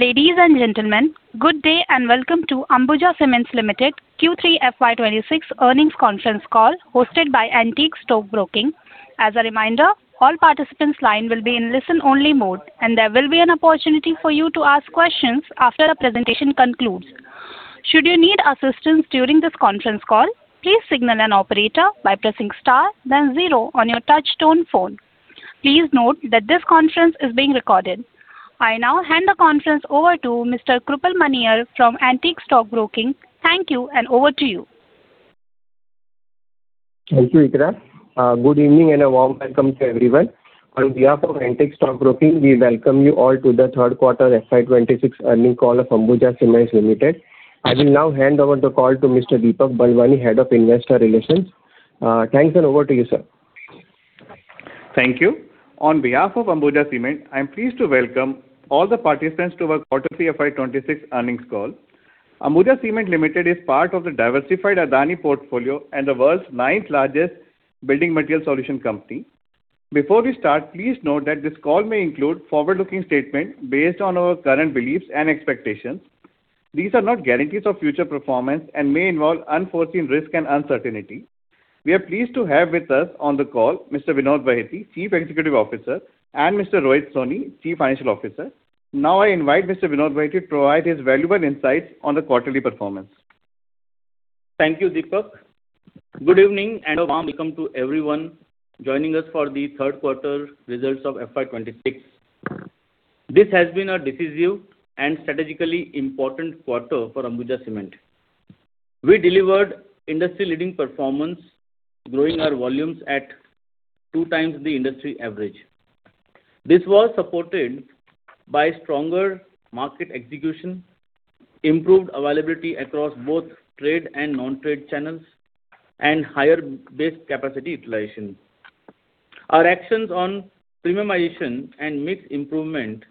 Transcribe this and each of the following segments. Ladies and gentlemen, good day and welcome to Ambuja Cements Limited Q3 FY 2026 earnings conference call, hosted by Antique Stock Broking. As a reminder, all participants line will be in listen-only mode, and there will be an opportunity for you to ask questions after the presentation concludes. Should you need assistance during this conference call, please signal an operator by pressing star then zero on your touchtone phone. Please note that this conference is being recorded. I now hand the conference over to Mr. Krupal Maniar from Antique Stock Broking. Thank you, and over to you. Thank you, Ikra. Good evening and a warm welcome to everyone. On behalf of Antique Stock Broking, we welcome you all to the third quarter FY 2026 earnings call of Ambuja Cements Limited. I will now hand over the call to Mr. Deepak Balwani, Head of Investor Relations. Thanks, and over to you, sir. Thank you. On behalf of Ambuja Cements, I'm pleased to welcome all the participants to our quarter FY 2026 earnings call. Ambuja Cements Limited is part of the diversified Adani portfolio and the world's ninth largest building material solution company. Before we start, please note that this call may include forward-looking statements based on our current beliefs and expectations. These are not guarantees of future performance and may involve unforeseen risk and uncertainty. We are pleased to have with us on the call Mr. Vinod Bahety, Chief Executive Officer, and Mr. Rohit Soni, Chief Financial Officer. Now, I invite Mr. Vinod Bahety to provide his valuable insights on the quarterly performance. Thank you, Deepak. Good evening, and a warm welcome to everyone joining us for the third quarter results of FY 2026. This has been a decisive and strategically important quarter for Ambuja Cements. We delivered industry-leading performance, growing our volumes at 2x the industry average. This was supported by stronger market execution, improved availability across both trade and non-trade channels, and higher base capacity utilization. Our actions on premiumization and mix improvement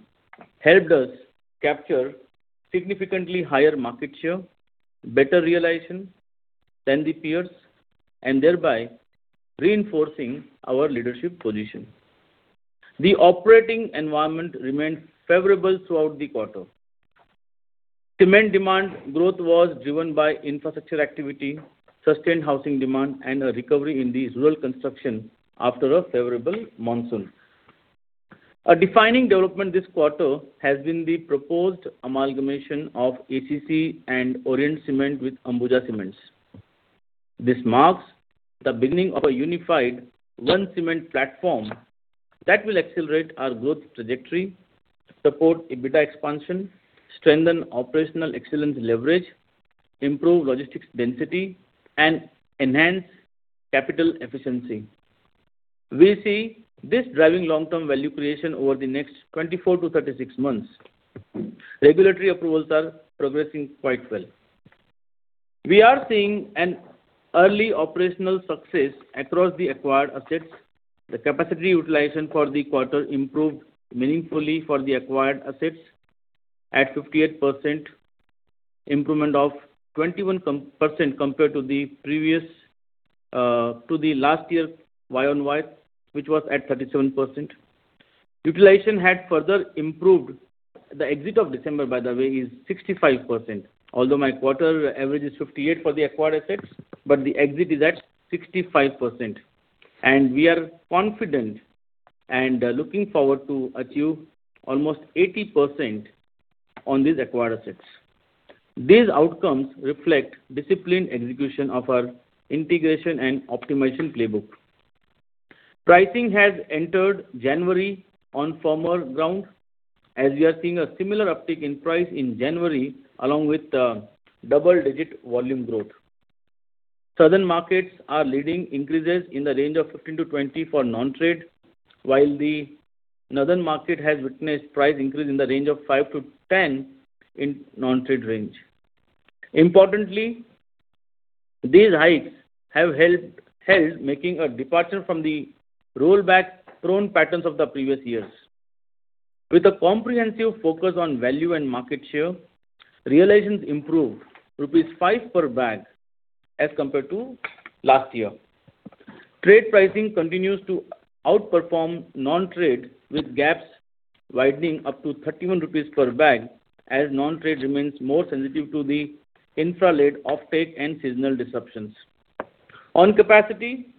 helped us capture significantly higher market share, better realization than the peers, and thereby reinforcing our leadership position. The operating environment remained favorable throughout the quarter. Cement demand growth was driven by infrastructure activity, sustained housing demand, and a recovery in the rural construction after a favorable monsoon. A defining development this quarter has been the proposed amalgamation of ACC and Orient Cement with Ambuja Cements. This marks the beginning of a unified one cement platform that will accelerate our growth trajectory, support EBITDA expansion, strengthen operational excellence leverage, improve logistics density, and enhance capital efficiency. We see this driving long-term value creation over the next 24-36 months. Regulatory approvals are progressing quite well. We are seeing an early operational success across the acquired assets. The capacity utilization for the quarter improved meaningfully for the acquired assets at 58%, improvement of 21% compared to the previous, to the last year year-on-year, which was at 37%. Utilization had further improved. The exit of December, by the way, is 65%. Although my quarter average is 58% for the acquired assets, but the exit is at 65%, and we are confident and looking forward to achieve almost 80% on these acquired assets. These outcomes reflect disciplined execution of our integration and optimization playbook. Pricing has entered January on firmer ground, as we are seeing a similar uptick in price in January, along with double-digit volume growth. Southern markets are leading increases in the range of 15-20 for non-trade, while the northern market has witnessed price increase in the range of five to 10 in non-trade range. Importantly, these hikes have helped making a departure from the rollback-prone patterns of the previous years. With a comprehensive focus on value and market share, realizations improved 5 rupees per bag as compared to last year. Trade pricing continues to outperform non-trade, with gaps widening up to 31 rupees per bag, as non-trade remains more sensitive to the infra-led offtake and seasonal disruptions. On capacity,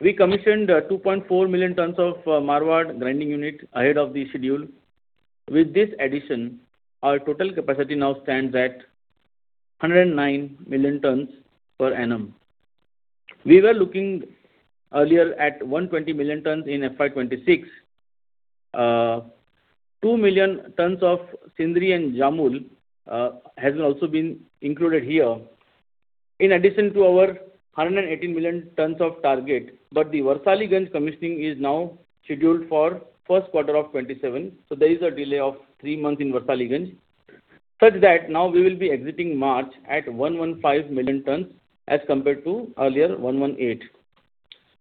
we commissioned 2.4 million tons of Marwar grinding unit ahead of the schedule. With this addition, our total capacity now stands at 109 million tons per annum. We were looking earlier at 120 million tons in FY 2026. Two million tons of Sindri and Jamul has also been included here. In addition to our 118 million tons of target, but the Warisaliganj commissioning is now scheduled for first quarter of 2027, so there is a delay of three months in Warisaliganj, such that now we will be exiting March at 115 million tons, as compared to earlier 118.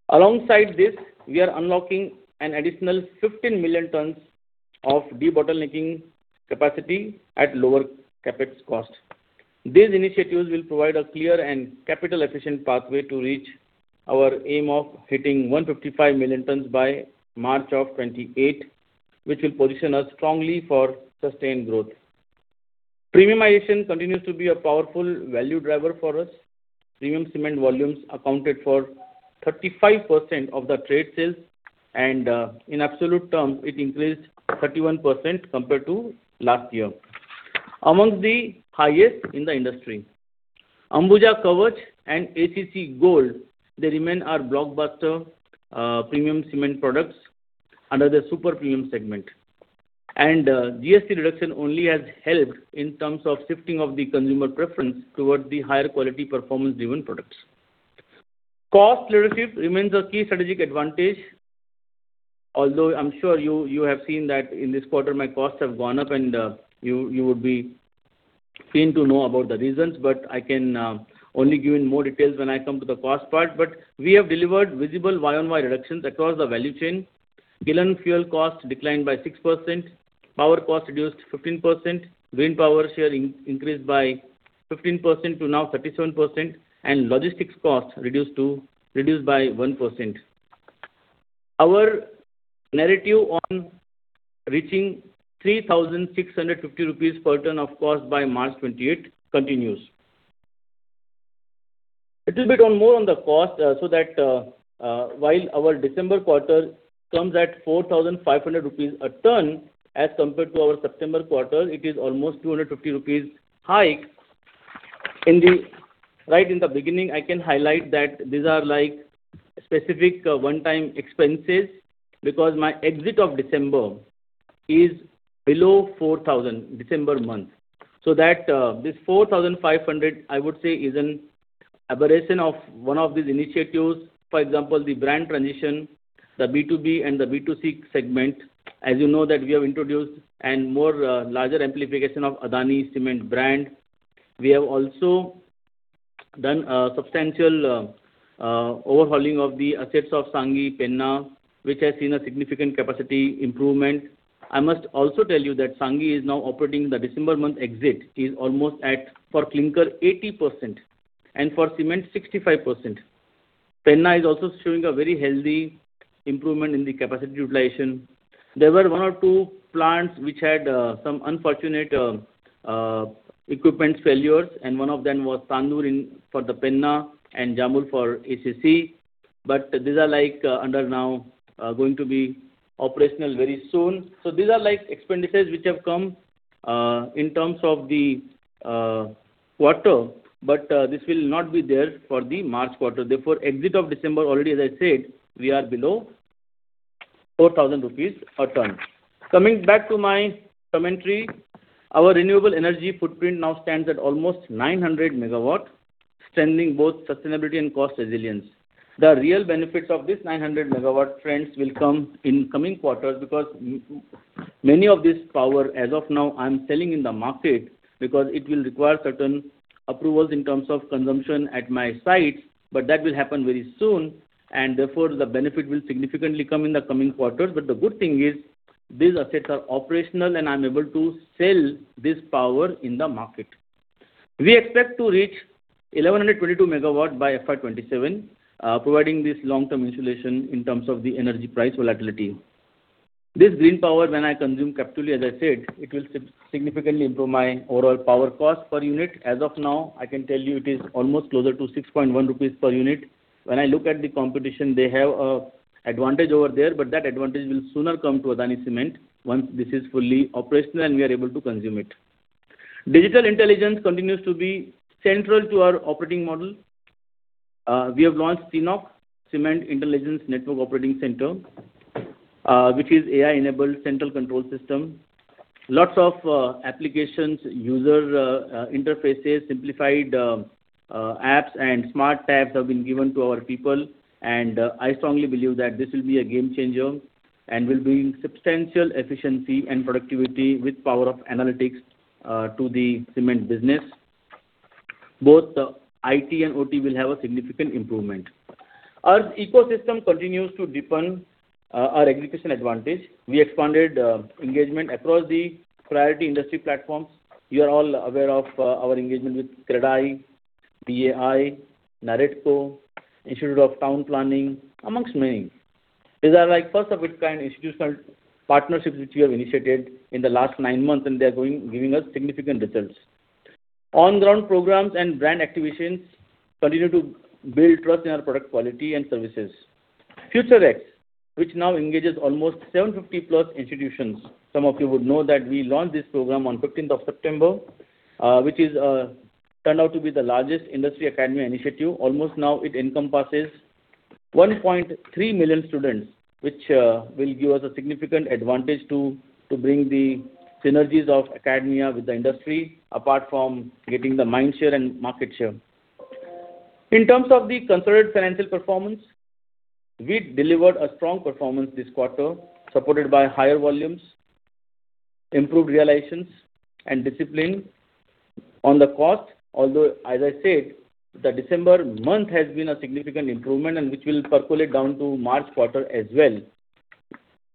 Alongside this, we are unlocking an additional 15 million tons of debottlenecking capacity at lower CapEx cost. These initiatives will provide a clear and capital-efficient pathway to reach our aim of hitting 155 million tons by March of 2028, which will position us strongly for sustained growth. Premiumization continues to be a powerful value driver for us. Premium cement volumes accounted for 35% of the trade sales, and in absolute terms, it increased 31% compared to last year, among the highest in the industry. Ambuja Kavach and ACC Gold, they remain our blockbuster premium cement products under the super premium segment. GST reduction only has helped in terms of shifting of the consumer preference towards the higher quality performance-driven products. Cost leadership remains a key strategic advantage, although I'm sure you have seen that in this quarter, my costs have gone up and you would be keen to know about the reasons, but I can only give you more details when I come to the cost part, but we have delivered visible year-on-year reductions across the value chain. Kiln fuel costs declined by 6%, power costs reduced 15%, green power share increased by 15% to now 37%, and logistics costs reduced by 1%. Our narrative on reaching 3,650 rupees per ton of cost by March 2028 continues. A little bit more on the cost, so that, while our December quarter comes at 4,500 rupees a ton, as compared to our September quarter, it is almost 250 rupees hike. Right in the beginning, I can highlight that these are like specific, one-time expenses, because the mix of December is below 4,000, December month. So that, this 4,500, I would say, is an aberration of one of these initiatives. For example, the brand transition, the B2B and the B2C segment. As you know, that we have introduced and more, larger amplification of Adani Cement brand. We have also done a substantial, overhauling of the assets of Sanghi, Penna, which has seen a significant capacity improvement. I must also tell you that Sanghi is now operating the December month exit, is almost at, for clinker, 80% and for cement, 65%. Penna is also showing a very healthy improvement in the capacity utilization. There were one or two plants which had, some unfortunate, equipment failures, and one of them was Tandur in, for the Penna and Jamul for ACC. But these are like, under now, going to be operational very soon. So these are like expenditures which have come, in terms of the, quarter, but, this will not be there for the March quarter. Therefore, end of December already, as I said, we are below 4,000 rupees a ton. Coming back to my commentary, our renewable energy footprint now stands at almost 900 MW, strengthening both sustainability and cost resilience. The real benefits of this 900 MW trend will come in coming quarters, because many of this power, as of now, I'm selling in the market because it will require certain approvals in terms of consumption at my sites, but that will happen very soon, and therefore, the benefit will significantly come in the coming quarters. But the good thing is, these assets are operational and I'm able to sell this power in the market. We expect to reach 1,122 MW by FY 2027, providing this long-term insulation in terms of the energy price volatility. This green power, when I consume captively, as I said, it will significantly improve my overall power cost per unit. As of now, I can tell you it is almost closer to 6.1 rupees per unit. When I look at the competition, they have an advantage over there, but that advantage will sooner come to Adani Cement once this is fully operational and we are able to consume it. Digital intelligence continues to be central to our operating model. We have launched CINOC, Cement Intelligence Network Operating Centre, which is AI-enabled central control system. Lots of applications, user interfaces, simplified apps and smart tabs have been given to our people. And I strongly believe that this will be a game changer and will bring substantial efficiency and productivity with power of analytics to the cement business. Both IT and OT will have a significant improvement. Our ecosystem continues to deepen our acquisition advantage. We expanded engagement across the priority industry platforms. You are all aware of our engagement with CREDAI, BAI, NAREDCO, Institute of Town Planners India, amongst many. These are like first-of-its-kind institutional partnerships which we have initiated in the last nine months, and they are giving us significant results. On-the-ground programs and brand activations continue to build trust in our product quality and services. FutureX, which now engages almost 750+ institutions. Some of you would know that we launched this program on 15th of September, which is turned out to be the largest industry-academia initiative. Almost now it encompasses 1.3 million students, which will give us a significant advantage to bring the synergies of academia with the industry, apart from getting the mind share and market share. In terms of the consolidated financial performance, we delivered a strong performance this quarter, supported by higher volumes, improved realizations, and discipline. On the cost, although, as I said, the December month has been a significant improvement and which will percolate down to March quarter as well.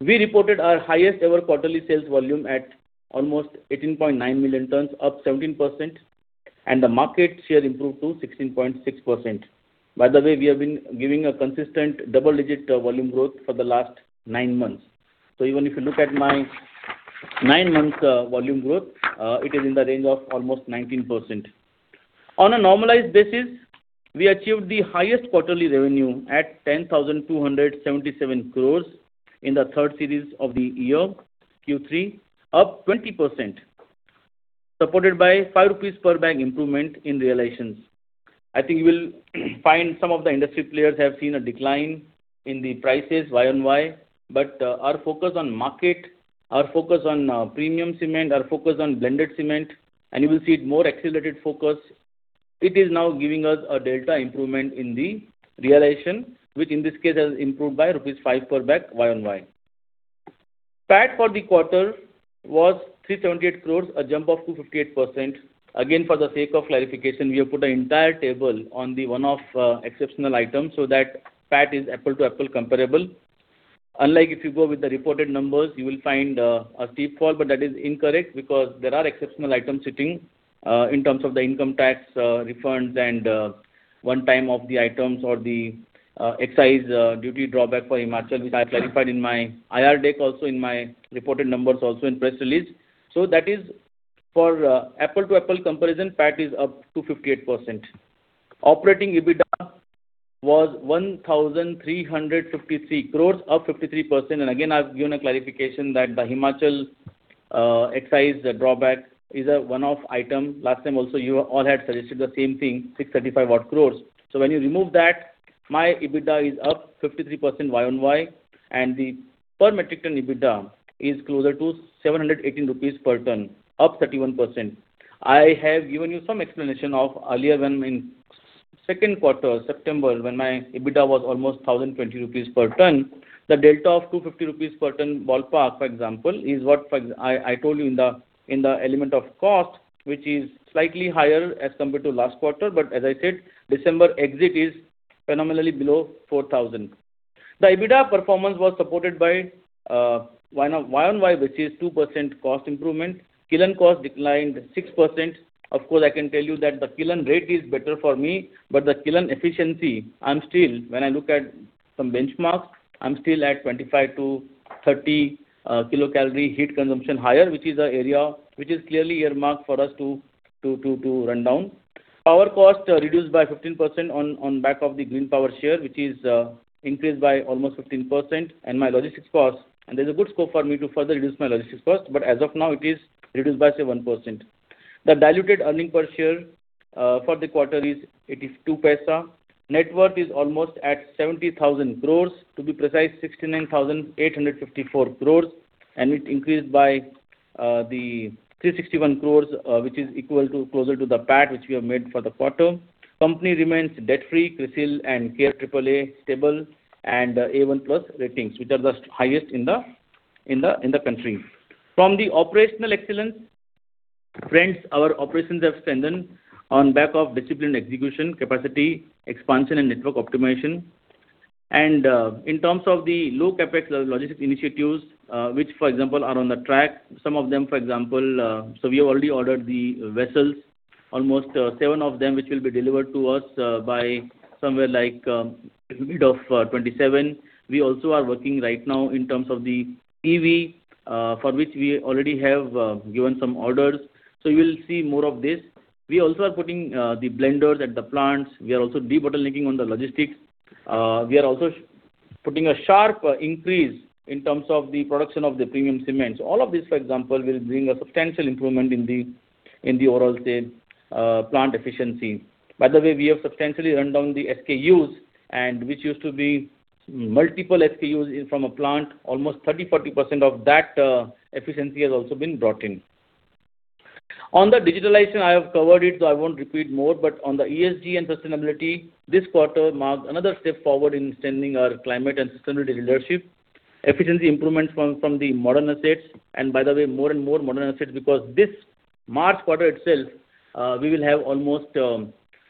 We reported our highest ever quarterly sales volume at almost 18.9 million tons, up 17%, and the market share improved to 16.6%. By the way, we have been giving a consistent double-digit volume growth for the last nine months. So even if you look at my nine months volume growth, it is in the range of almost 19%. On a normalized basis, we achieved the highest quarterly revenue at 10,277 crore in the third quarter of the year, Q3, up 20%, supported by 5 rupees per bag improvement in realizations. I think you will find some of the industry players have seen a decline in the prices year-over-year, but our focus on market, our focus on premium cement, our focus on blended cement, and you will see it more accelerated focus. It is now giving us a delta improvement in the realization, which in this case has improved by rupees 5 per bag, YoY. PAT for the quarter was 378 crore, a jump of 258%. Again, for the sake of clarification, we have put an entire table on the one-off exceptional item, so that PAT is apple-to-apple comparable. Unlike if you go with the reported numbers, you will find a steep fall, but that is incorrect because there are exceptional items sitting in terms of the income tax refunds and one time off the items or the excise duty drawback for Himachal, which I clarified in my IR deck, also in my reported numbers, also in press release. So that is for apple-to-apple comparison, PAT is up 258%. Operating EBITDA was 1,353 crore, up 53%. Again, I've given a clarification that the Himachal excise drawback is a one-off item. Last time also, you all had suggested the same thing, 635-odd crore. So when you remove that, my EBITDA is up 53% YoY, and the per metric ton EBITDA is closer to 718 rupees per ton, up 31%. I have given you some explanation earlier when in second quarter, September, when my EBITDA was almost 1,020 rupees per ton. The delta of 250 rupees per ton, ballpark, for example, is what I told you in the element of cost, which is slightly higher as compared to last quarter, but as I said, December exit is phenomenally below 4,000. The EBITDA performance was supported by YoY, which is 2% cost improvement. Kiln cost declined 6%. Of course, I can tell you that the kiln rate is better for me, but the kiln efficiency, I'm still, when I look at some benchmarks, I'm still at 25 kcal-30 kcal heat consumption higher, which is an area which is clearly earmarked for us to run down. Power cost reduced by 15% on back of the green power share, which is increased by almost 15%, and my logistics cost. And there's a good scope for me to further reduce my logistics cost, but as of now, it is reduced by, say, 1%. The diluted earnings per share for the quarter is 0.82. Net worth is almost at 70,000 crore, to be precise, 69,854 crore, and it increased by the 361 crore, which is equal to closer to the PAT, which we have made for the quarter. Company remains debt-free, CRISIL and CARE AAA stable and A1+ ratings, which are the highest in the country. From the operational excellence, friends, our operations have strengthened on back of disciplined execution, capacity expansion and network optimization. In terms of the low CapEx logistics initiatives, which, for example, are on the track. Some of them, for example, so we have already ordered the vessels, almost seven of them, which will be delivered to us by somewhere like mid of 2027. We also are working right now in terms of the EV, for which we already have, given some orders. So you will see more of this. We also are putting, the blenders at the plants. We are also debottlenecking on the logistics. We are also putting a sharp increase in terms of the production of the premium cements. All of this, for example, will bring a substantial improvement in the, in the overall, plant efficiency. By the way, we have substantially run down the SKUs and which used to be multiple SKUs from a plant. Almost 30%-40% of that, efficiency has also been brought in. On the digitalization, I have covered it, so I won't repeat more, but on the ESG and sustainability, this quarter marked another step forward in strengthening our climate and sustainability leadership. Efficiency improvements from the modern assets, and by the way, more and more modern assets, because this March quarter itself, we will have almost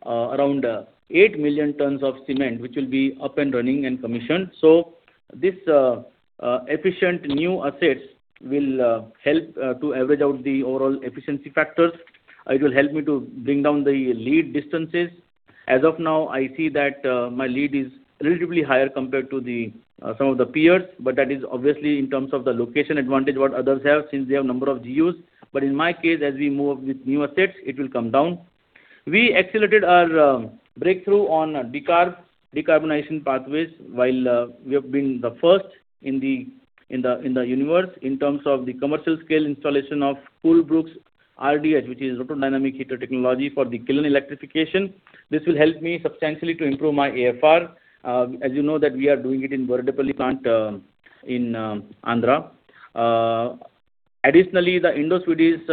around 8 million tons of cement, which will be up and running and commissioned. So this efficient new assets will help to average out the overall efficiency factors. It will help me to bring down the lead distances. As of now, I see that my lead is relatively higher compared to some of the peers, but that is obviously in terms of the location advantage what others have, since they have number of GUs. But in my case, as we move with new assets, it will come down. We accelerated our breakthrough on decarbonization pathways, while we have been the first in the universe in terms of the commercial scale installation of Coolbrook's RDH, which is RotoDynamic Heater technology for the kiln electrification. This will help me substantially to improve my AFR. As you know that we are doing it in Wadapally plant, in Andhra. Additionally, the Indo-Swedish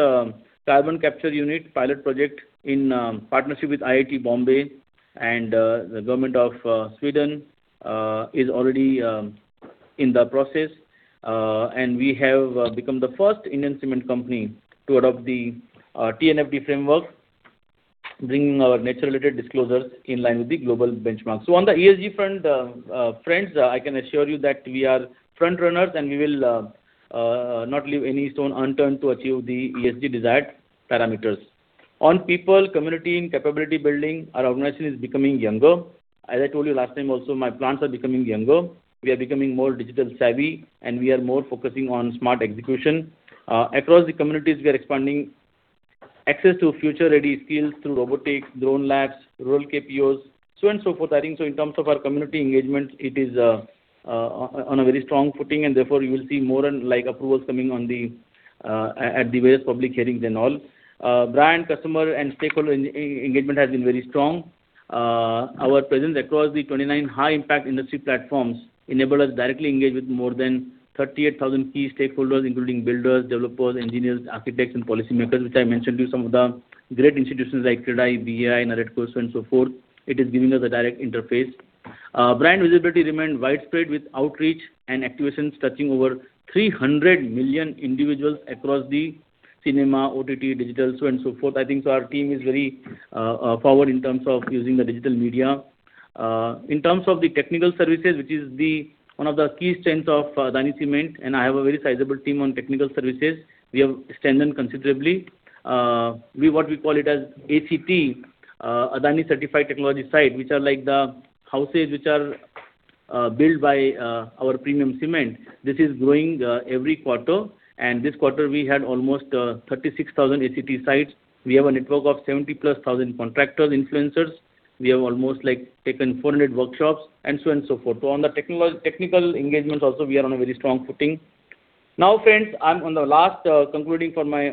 carbon capture unit pilot project in partnership with IIT Bombay and the government of Sweden is already in the process. And we have become the first Indian cement company to adopt the TNFD framework bringing our nature-related disclosures in line with the global benchmarks. So on the ESG front, friends, I can assure you that we are front runners, and we will not leave any stone unturned to achieve the ESG desired parameters. On people, community, and capability building, our organization is becoming younger. As I told you last time also, my plants are becoming younger. We are becoming more digital savvy, and we are more focusing on smart execution. Across the communities, we are expanding access to future-ready skills through robotics, drone labs, rural KPOs, so and so forth. I think so in terms of our community engagement, it is on a very strong footing, and therefore you will see more and like approvals coming on the at the various public hearings and all. Brand, customer, and stakeholder engagement has been very strong. Our presence across the 29 high impact industry platforms enable us to directly engage with more than 38,000 key stakeholders, including builders, developers, engineers, architects, and policymakers, which I mentioned to you, some of the great institutions like CREDAI, BAI, and NAREDCO, so and so forth. It is giving us a direct interface. Brand visibility remained widespread, with outreach and activations touching over 300 million individuals across the cinema, OTT, digital, so and so forth. I think so our team is very forward in terms of using the digital media. In terms of the technical services, which is the one of the key strengths of Adani Cement, and I have a very sizable team on technical services. We have strengthened considerably. We, what we call it as ACT, Adani Certified Technology site, which are like the houses which are built by our premium cement. This is growing every quarter, and this quarter we had almost 36,000 ACT sites. We have a network of 70,000+ contractors, influencers. We have almost, like, taken 400 workshops, and so and so forth. So on the technical engagements also, we are on a very strong footing. Now, friends, I'm on the last concluding for my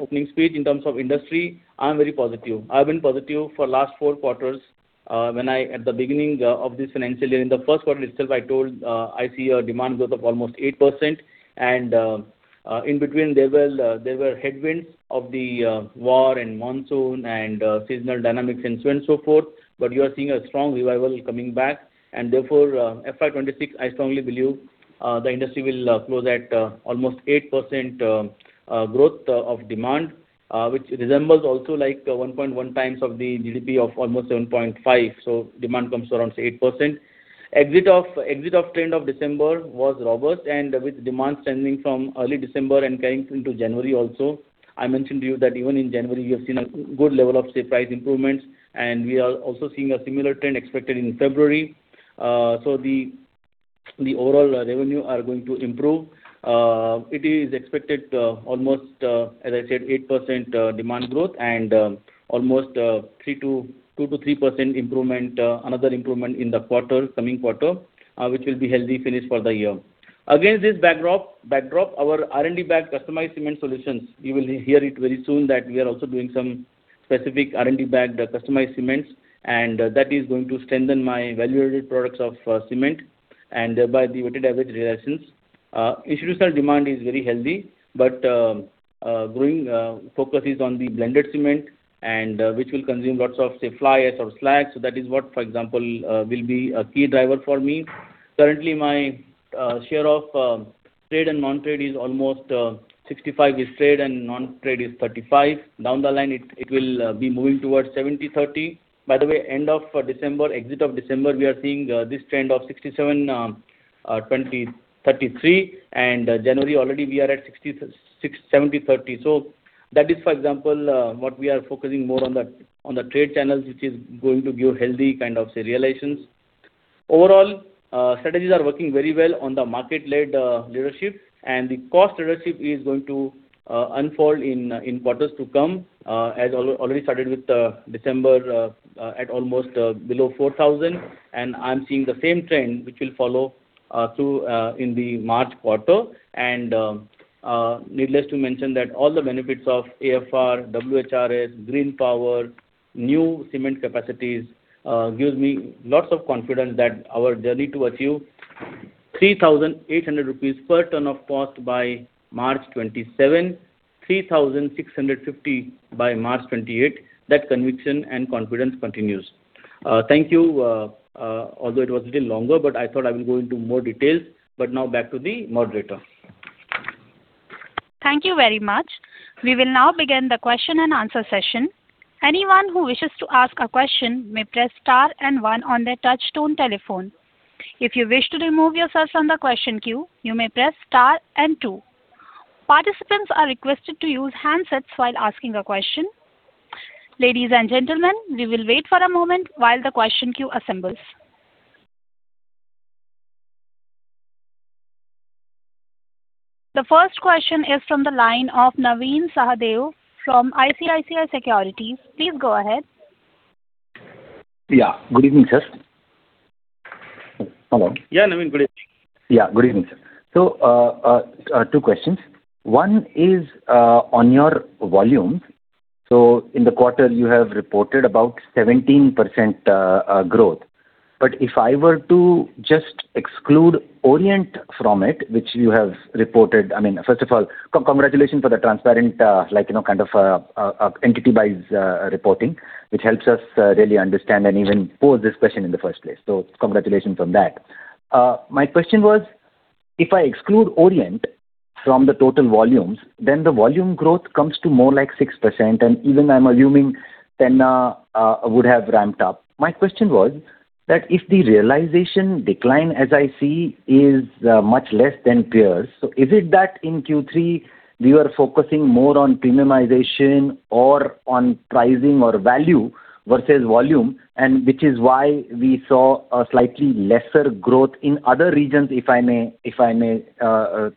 opening speech in terms of industry, I'm very positive. I've been positive for last four quarters. At the beginning of this financial year, in the first quarter itself, I told I see a demand growth of almost 8%. In between, there were headwinds of the war and monsoon and seasonal dynamics and so and so forth, but you are seeing a strong revival coming back. And therefore, FY 2026, I strongly believe, the industry will close at almost 8% growth of demand, which resembles also like 1.1x of the GDP of almost 7.5%. So demand comes to around 8%. Exit trend of December was robust, and with demand standing from early December and carrying into January also. I mentioned to you that even in January, you have seen a good level of, say, price improvements, and we are also seeing a similar trend expected in February. So the overall revenue are going to improve. It is expected, almost, as I said, 8% demand growth and almost two to three percent improvement, another improvement in the coming quarter, which will be healthy finish for the year. Against this backdrop, our R&D-backed customized cement solutions, you will hear it very soon, that we are also doing some specific R&D-backed customized cements, and that is going to strengthen my value-added products of cement and thereby the weighted average realizations. Institutional demand is very healthy, but growing focus is on the blended cement and which will consume lots of, say, fly ash or slag. So that is what, for example, will be a key driver for me. Currently, my share of trade and non-trade is almost 65% is trade and non-trade is 35%. Down the line, it will be moving towards 70/30. By the way, end of December, we are seeing this trend of 67%, 20%, 33%, and January already we are at 66%, 70/30. So that is, for example, what we are focusing more on the, on the trade channels, which is going to give healthy kind of, say, realizations. Overall, strategies are working very well on the market-led leadership, and the cost leadership is going to unfold in, in quarters to come, as already started with December, at almost below 4,000. And I'm seeing the same trend, which will follow through, in the March quarter. Needless to mention that all the benefits of AFR, WHRS, green power, new cement capacities, gives me lots of confidence that our journey to achieve 3,800 rupees per ton of cost by March 2027, 3,650 by March 2028, that conviction and confidence continues. Thank you. Although it was a little longer, but I thought I will go into more details. But now back to the moderator. Thank you very much. We will now begin the question and answer session. Anyone who wishes to ask a question may press star and one on their touchtone telephone. If you wish to remove yourselves from the question queue, you may press star and two. Participants are requested to use handsets while asking a question. Ladies and gentlemen, we will wait for a moment while the question queue assembles. The first question is from the line of Navin Sahadeo from ICICI Securities. Please go ahead. Yeah. Good evening, sir. Hello. Yeah, Navin, good evening. Yeah, good evening, sir. So, two questions. One is on your volume. So in the quarter, you have reported about 17% growth. But if I were to just exclude Orient from it, which you have reported. I mean, first of all, congratulations for the transparent, like, you know, kind of, entity-wise reporting, which helps us really understand and even pose this question in the first place. So congratulations on that. My question was, if I exclude Orient from the total volumes, then the volume growth comes to more like 6%, and even I'm assuming Penna would have ramped up. My question was that if the realization decline, as I see, is much less than peers, so is it that in Q3 you are focusing more on premiumization or on pricing or value versus volume, and which is why we saw a slightly lesser growth in other regions, if I may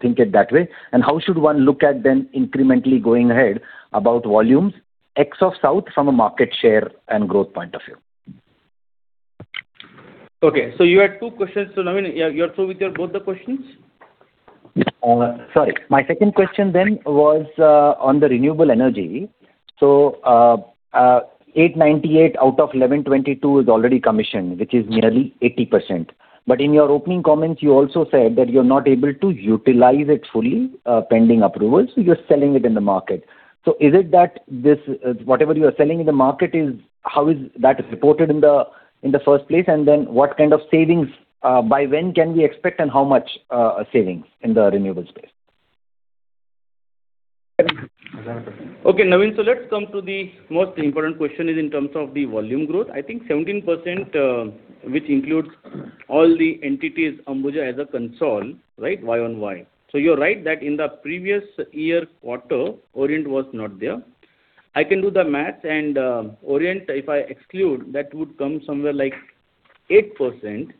think it that way? And how should one look at then incrementally going ahead about volumes ex South from a market share and growth point of view? Okay, so you had two questions. So, Navin, yeah, you're through with your both the questions? Sorry. My second question then was on the renewable energy. So, 898 out of 1,122 is already commissioned, which is nearly 80%. But in your opening comments, you also said that you're not able to utilize it fully, pending approvals, so you're selling it in the market. So is it that this, whatever you are selling in the market, is how is that reported in the, in the first place? And then what kind of savings, by when can we expect, and how much, savings in the renewable space? Okay, Navin, so let's come to the most important question is in terms of the volume growth. I think 17%, which includes all the entities, Ambuja, as consolidated, right, YoY. So you're right, that in the previous year quarter, Orient was not there. I can do the math, and, Orient, if I exclude, that would come somewhere like 8%.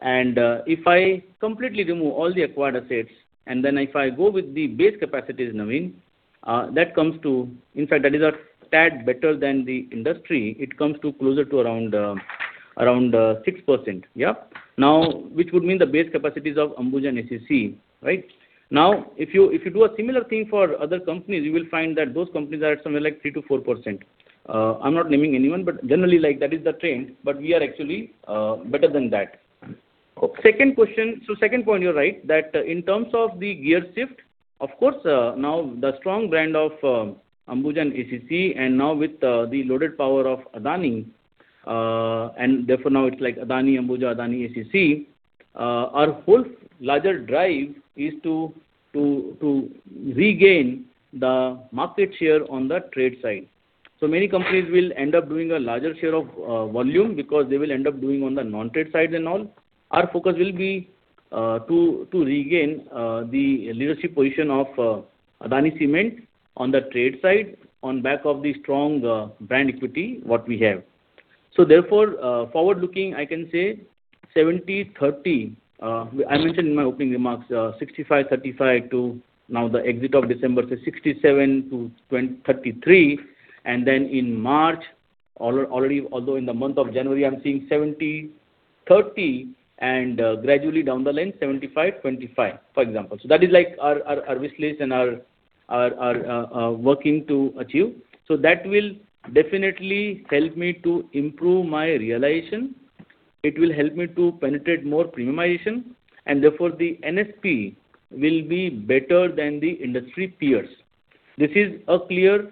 And, if I completely remove all the acquired assets, and then if I go with the base capacities, Navin, that comes to... In fact, that is a tad better than the industry. It comes to closer to around, around, 6%. Yeah. Now, which would mean the base capacities of Ambuja and ACC, right? Now, if you, if you do a similar thing for other companies, you will find that those companies are at somewhere like 3%-4%. I'm not naming anyone, but generally, like, that is the trend, but we are actually better than that. Second question. So second point, you're right, that in terms of the gear shift, of course, now the strong brand of Ambuja and ACC, and now with the loaded power of Adani, and therefore now it's like Adani, Ambuja, Adani, ACC. Our whole larger drive is to regain the market share on the trade side. So many companies will end up doing a larger share of volume because they will end up doing on the non-trade sides and all. Our focus will be to regain the leadership position of Adani Cement on the trade side, on back of the strong brand equity what we have. So therefore, forward-looking, I can say 70/30. I mentioned in my opening remarks, 65/35 to now the end of December, so 67/33. And then in March, already, although in the month of January, I'm seeing 70/30, and gradually down the line, 75/25, for example. So that is like our wish list and our working to achieve. So that will definitely help me to improve my realization. It will help me to penetrate more premiumization, and therefore, the NSP will be better than the industry peers. This is a clear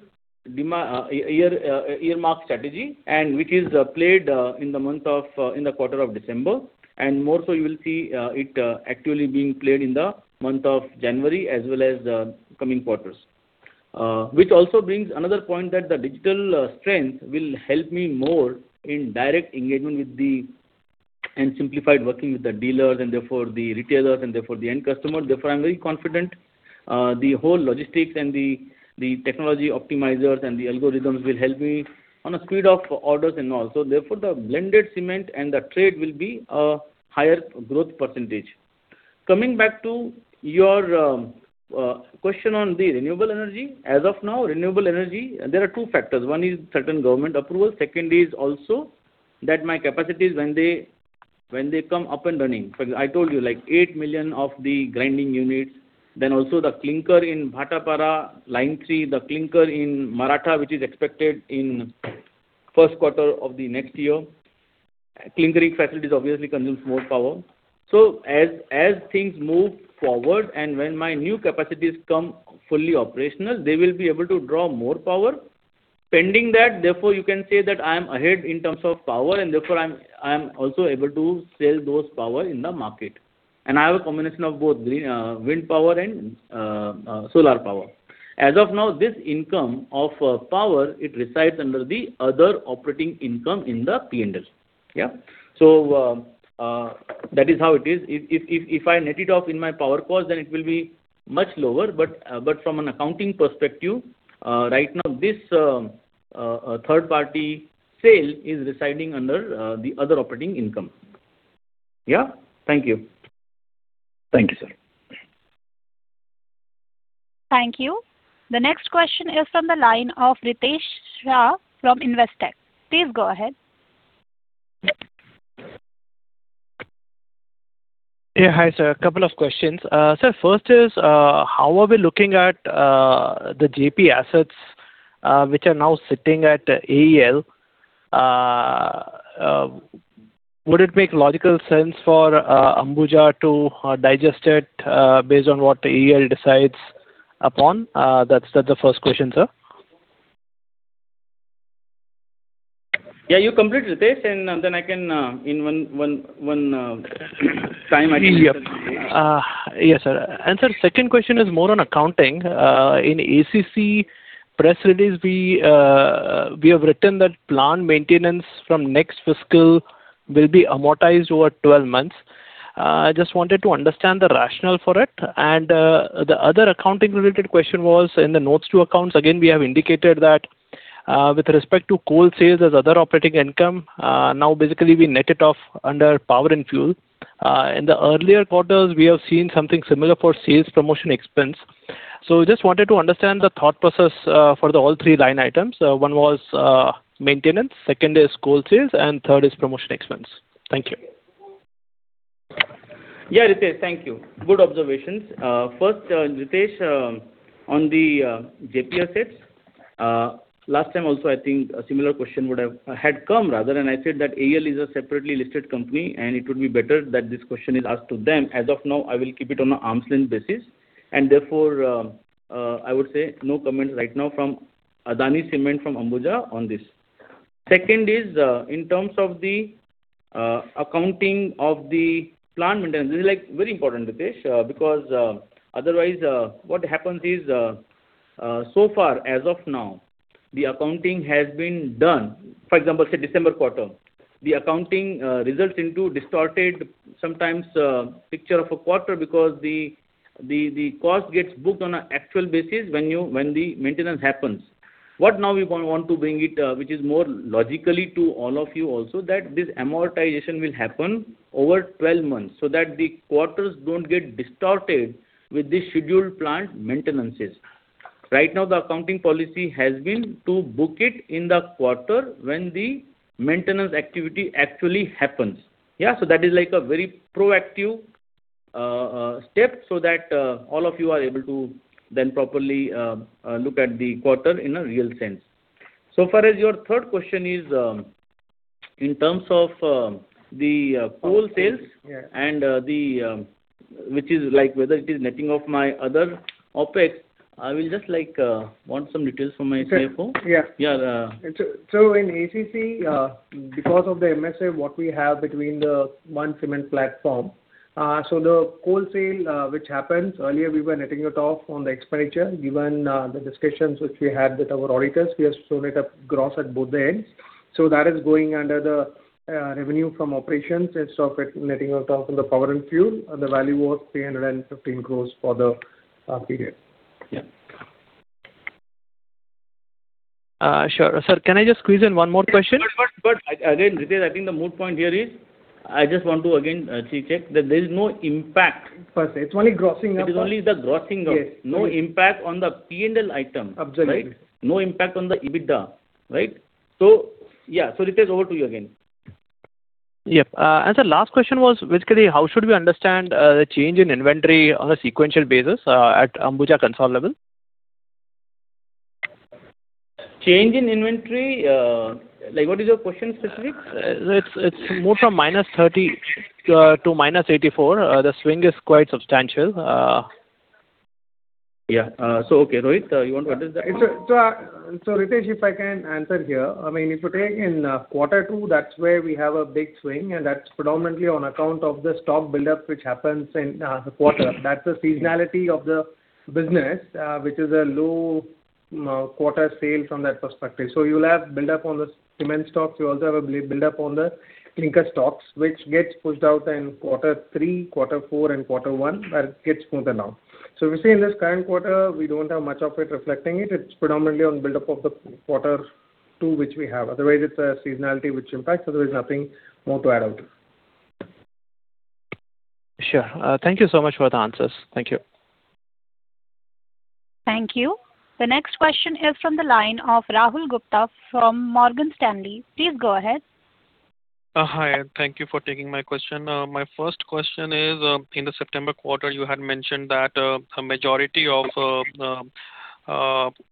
earmark strategy, and which is played in the month of, in the quarter of December. And more so you will see it actually being played in the month of January as well as the coming quarters. Which also brings another point, that the digital strength will help me more in direct engagement with the... and simplified working with the dealers, and therefore the retailers, and therefore the end customer. Therefore, I'm very confident, the whole logistics and the technology optimizers and the algorithms will help me on a speed of orders and all. So therefore, the blended cement and the trade will be a higher growth percentage. Coming back to your question on the renewable energy. As of now, renewable energy, there are two factors. One is certain government approval, second is also that my capacities, when they come up and running, as I told you, like 8 million of the grinding units, then also the clinker in Bhatapara, Line 3, the clinker in Maratha, which is expected in first quarter of the next year. Clinkering facilities obviously consumes more power. So as things move forward and when my new capacities come fully operational, they will be able to draw more power. Pending that, therefore, you can say that I am ahead in terms of power, and therefore I am also able to sell those power in the market. And I have a combination of both, wind power and, solar power. As of now, this income of, power, it resides under the other operating income in the P&L. Yeah? So, that is how it is. If I net it off in my power cost, then it will be much lower. But, but from an accounting perspective, right now, this, third-party sale is residing under, the other operating income. Yeah? Thank you. Thank you, sir. Thank you. The next question is from the line of Ritesh Shah from Investec. Please go ahead. Yeah, hi, sir. A couple of questions. Sir, first is, how are we looking at the Jaypee assets, which are now sitting at AEL? Would it make logical sense for Ambuja to digest it, based on what the AEL decides upon? That's the first question, sir. Yeah, you complete, Ritesh, and then I can in one. Yep. Yes, sir. Sir, second question is more on accounting. In ACC press release, we have written that plant maintenance from next fiscal will be amortized over 12 months. I just wanted to understand the rationale for it. The other accounting related question was in the notes to accounts. Again, we have indicated that with respect to coal sales as other operating income, now basically we net it off under power and fuel. In the earlier quarters, we have seen something similar for sales promotion expense. So just wanted to understand the thought process for all three line items. One was maintenance, second is coal sales, and third is promotion expense. Thank you. Yeah, Ritesh, thank you. Good observations. First, Ritesh, on the Jaypee assets, last time also, I think a similar question would have had come, rather, and I said that AEL is a separately listed company, and it would be better that this question is asked to them. As of now, I will keep it on an arm's length basis, and therefore, I would say no comment right now from Adani Cement from Ambuja on this. Second is, in terms of the accounting of the plant maintenance. This is, like, very important, Ritesh, because, otherwise, what happens is, so far as of now, the accounting has been done. For example, say, December quarter, the accounting results into distorted sometimes picture of a quarter because the cost gets booked on an actual basis when the maintenance happens. What now we want to bring it, which is more logically to all of you also, that this amortization will happen over 12 months, so that the quarters don't get distorted with the scheduled plant maintenances. Right now, the accounting policy has been to book it in the quarter when the maintenance activity actually happens. Yeah, so that is like a very proactive step, so that all of you are able to then properly look at the quarter in a real sense. So far as your third question is, in terms of the coal sales and the which is like whether it is netting off my other OpEx, I will just, like, want some details from my CFO. Yeah. Yeah. So in ACC, because of the MSA, what we have between the one cement platform, so the coal sale, which happens, earlier we were netting it off on the expenditure. Given the discussions which we had with our auditors, we have shown it up gross at both ends. So that is going under the revenue from operations instead of it netting off on the power and fuel, and the value was 315 crore for the period. Yeah. Sure. Sir, can I just squeeze in one more question? But again, Ritesh, I think the moot point here is, I just want to again re-check that there is no impact. First, it's only grossing up. It is only the grossing up. Yes. No impact on the P&L item. Absolutely. Right? No impact on the EBITDA, right? So, yeah. So, Ritesh, over to you again. Yep. And sir, last question was basically, how should we understand the change in inventory on a sequential basis at Ambuja consolidated level? Change in inventory, like, what is your question specific? It's moved from -30 to -84. The swing is quite substantial. Yeah. So, okay, Rohit, you want to handle that one? So, Ritesh, if I can answer here. I mean, if you take in quarter two, that's where we have a big swing, and that's predominantly on account of the stock buildup, which happens in the quarter. That's the seasonality of the business, which is a low quarter sale from that perspective. So you will have buildup on the cement stocks. You also have a buildup on the clinker stocks, which gets pushed out in quarter three, quarter four, and quarter one, where it gets smoother now. So we see in this current quarter, we don't have much of it reflecting it. It's predominantly on buildup of the quarter two, which we have. Otherwise, it's a seasonality which impacts, so there is nothing more to add out. Sure. Thank you so much for the answers. Thank you. Thank you. The next question is from the line of Rahul Gupta from Morgan Stanley. Please go ahead. Hi, and thank you for taking my question. My first question is, in the September quarter, you had mentioned that, a majority of,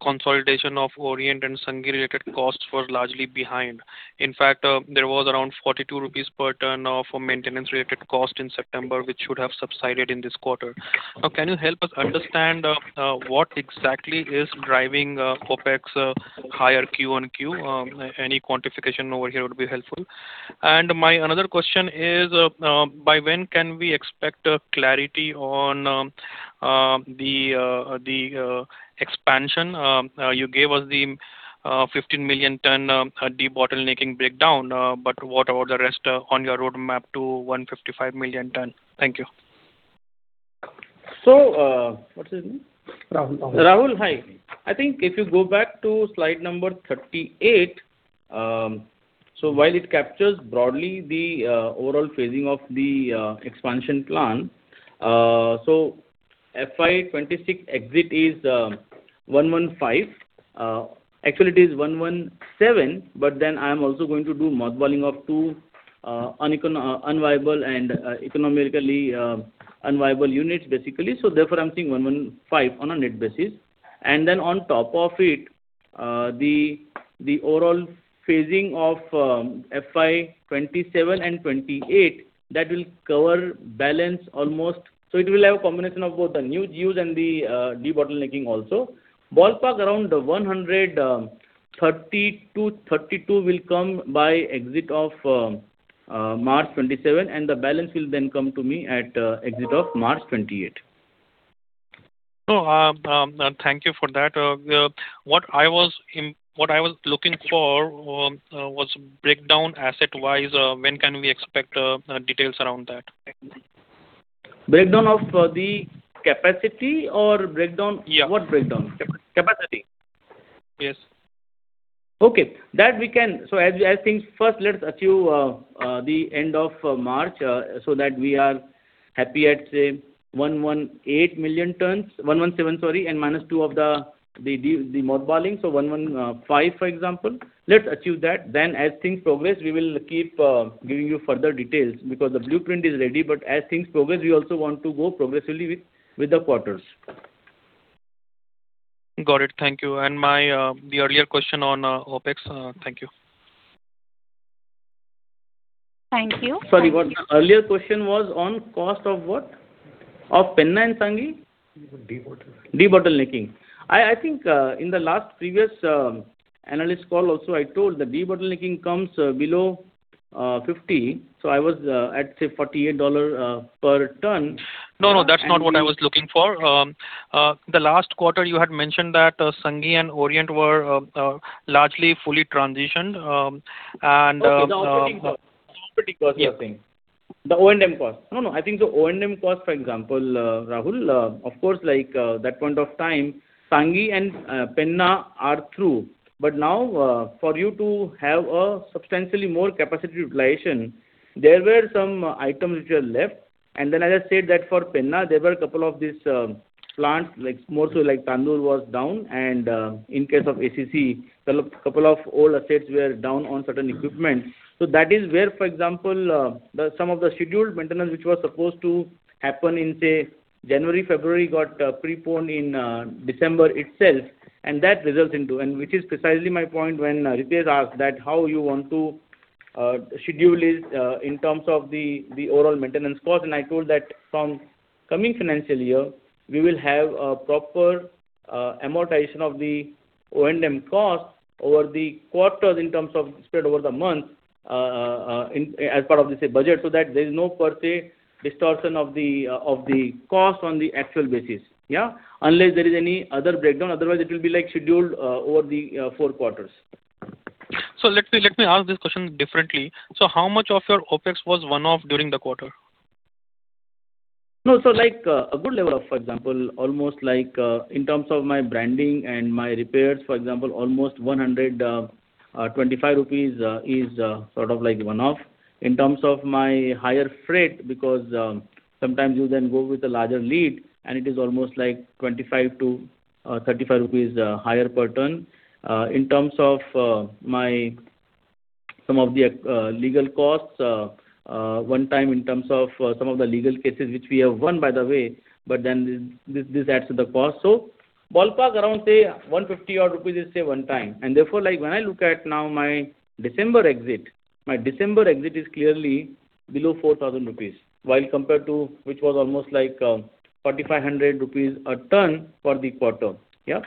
consolidation of Orient and Sanghi-related costs were largely behind. In fact, there was around 42 rupees per ton, for maintenance-related cost in September, which should have subsided in this quarter. Can you help us understand, what exactly is driving, OpEx, higher QoQ? Any quantification over here would be helpful. And my another question is, by when can we expect, clarity on, the expansion? You gave us the, 15 million ton, debottlenecking breakdown, but what about the rest, on your roadmap to 155 million ton? Thank you. So, what's his name? Rahul. Rahul, hi. I think if you go back to slide number 38, so while it captures broadly the overall phasing of the expansion plan, so FY 2026 exit is 115. Actually, it is 117, but then I'm also going to do mothballing of two uneconomic unviable and economically unviable units, basically. So therefore, I'm seeing 115 on a net basis. And then on top of it, the overall phasing of FY 2027 and 2028, that will cover balance almost. So it will have a combination of both the new units and the debottlenecking also. Ballpark around 130-132 will come by exit of March 2027, and the balance will then come to me at exit of March 2028. No, thank you for that. What I was looking for was breakdown asset-wise, when can we expect details around that? Breakdown of the capacity or breakdown- Yeah. What breakdown? Capacity. Yes. Okay, that we can. So as things, first, let's achieve the end of March, so that we are happy at, say, 118 million tons, 117, sorry, and -2 of the mothballing, so 115, for example. Let's achieve that. Then, as things progress, we will keep giving you further details, because the blueprint is ready, but as things progress, we also want to go progressively with the quarters. Got it. Thank you. And my, the earlier question on, OpEx. Thank you. Thank you. Sorry, what? Earlier question was on cost of what? Of Penna and Sanghi? Debottlenecking. Debottlenecking. I think in the last previous analyst call also, I told the debottlenecking comes below 50, so I was at say $48 per ton. No, no, that's not what I was looking for. The last quarter you had mentioned that Sanghi and Orient were largely fully transitioned, and... Okay, the operating cost. The operating cost, you're saying? Yeah. The O&M cost. No, no, I think the O&M cost, for example, Rahul, of course, like, that point of time, Sanghi and Penna are through. But now, for you to have a substantially more capacity utilization, there were some items which are left. And then, as I said, that for Penna, there were a couple of these plants, like, more so like Tandur was down, and in case of ACC, a couple of old assets were down on certain equipment. So that is where, for example, then some of the scheduled maintenance, which was supposed to happen in, say, January, February, got preponed in December itself, and that results into... Which is precisely my point when Ritesh asked that how you want to schedule it in terms of the overall maintenance cost, and I told that from coming financial year, we will have a proper amortization of the O&M cost over the quarters in terms of spread over the month in as part of the say budget, so that there is no per se distortion of the cost on the actual basis, yeah? Unless there is any other breakdown, otherwise it will be like scheduled over the four quarters. So let me, let me ask this question differently: So how much of your OpEx was one-off during the quarter? No, so like, a good level of, for example, almost like, in terms of my branding and my repairs, for example, almost 125 rupees is sort of like one-off. In terms of my higher freight, because, sometimes you then go with a larger lead, and it is almost like 25-35 rupees higher per ton. In terms of my some of the legal costs, one time in terms of some of the legal cases, which we have won, by the way, but then this, this adds to the cost. So ballpark around, say, 150 rupees odd is, say, one time. Therefore, like, when I look at now my December exit, my December exit is clearly below 4,000 rupees, while compared to which was almost like 4,500 rupees a ton for the quarter. Yeah?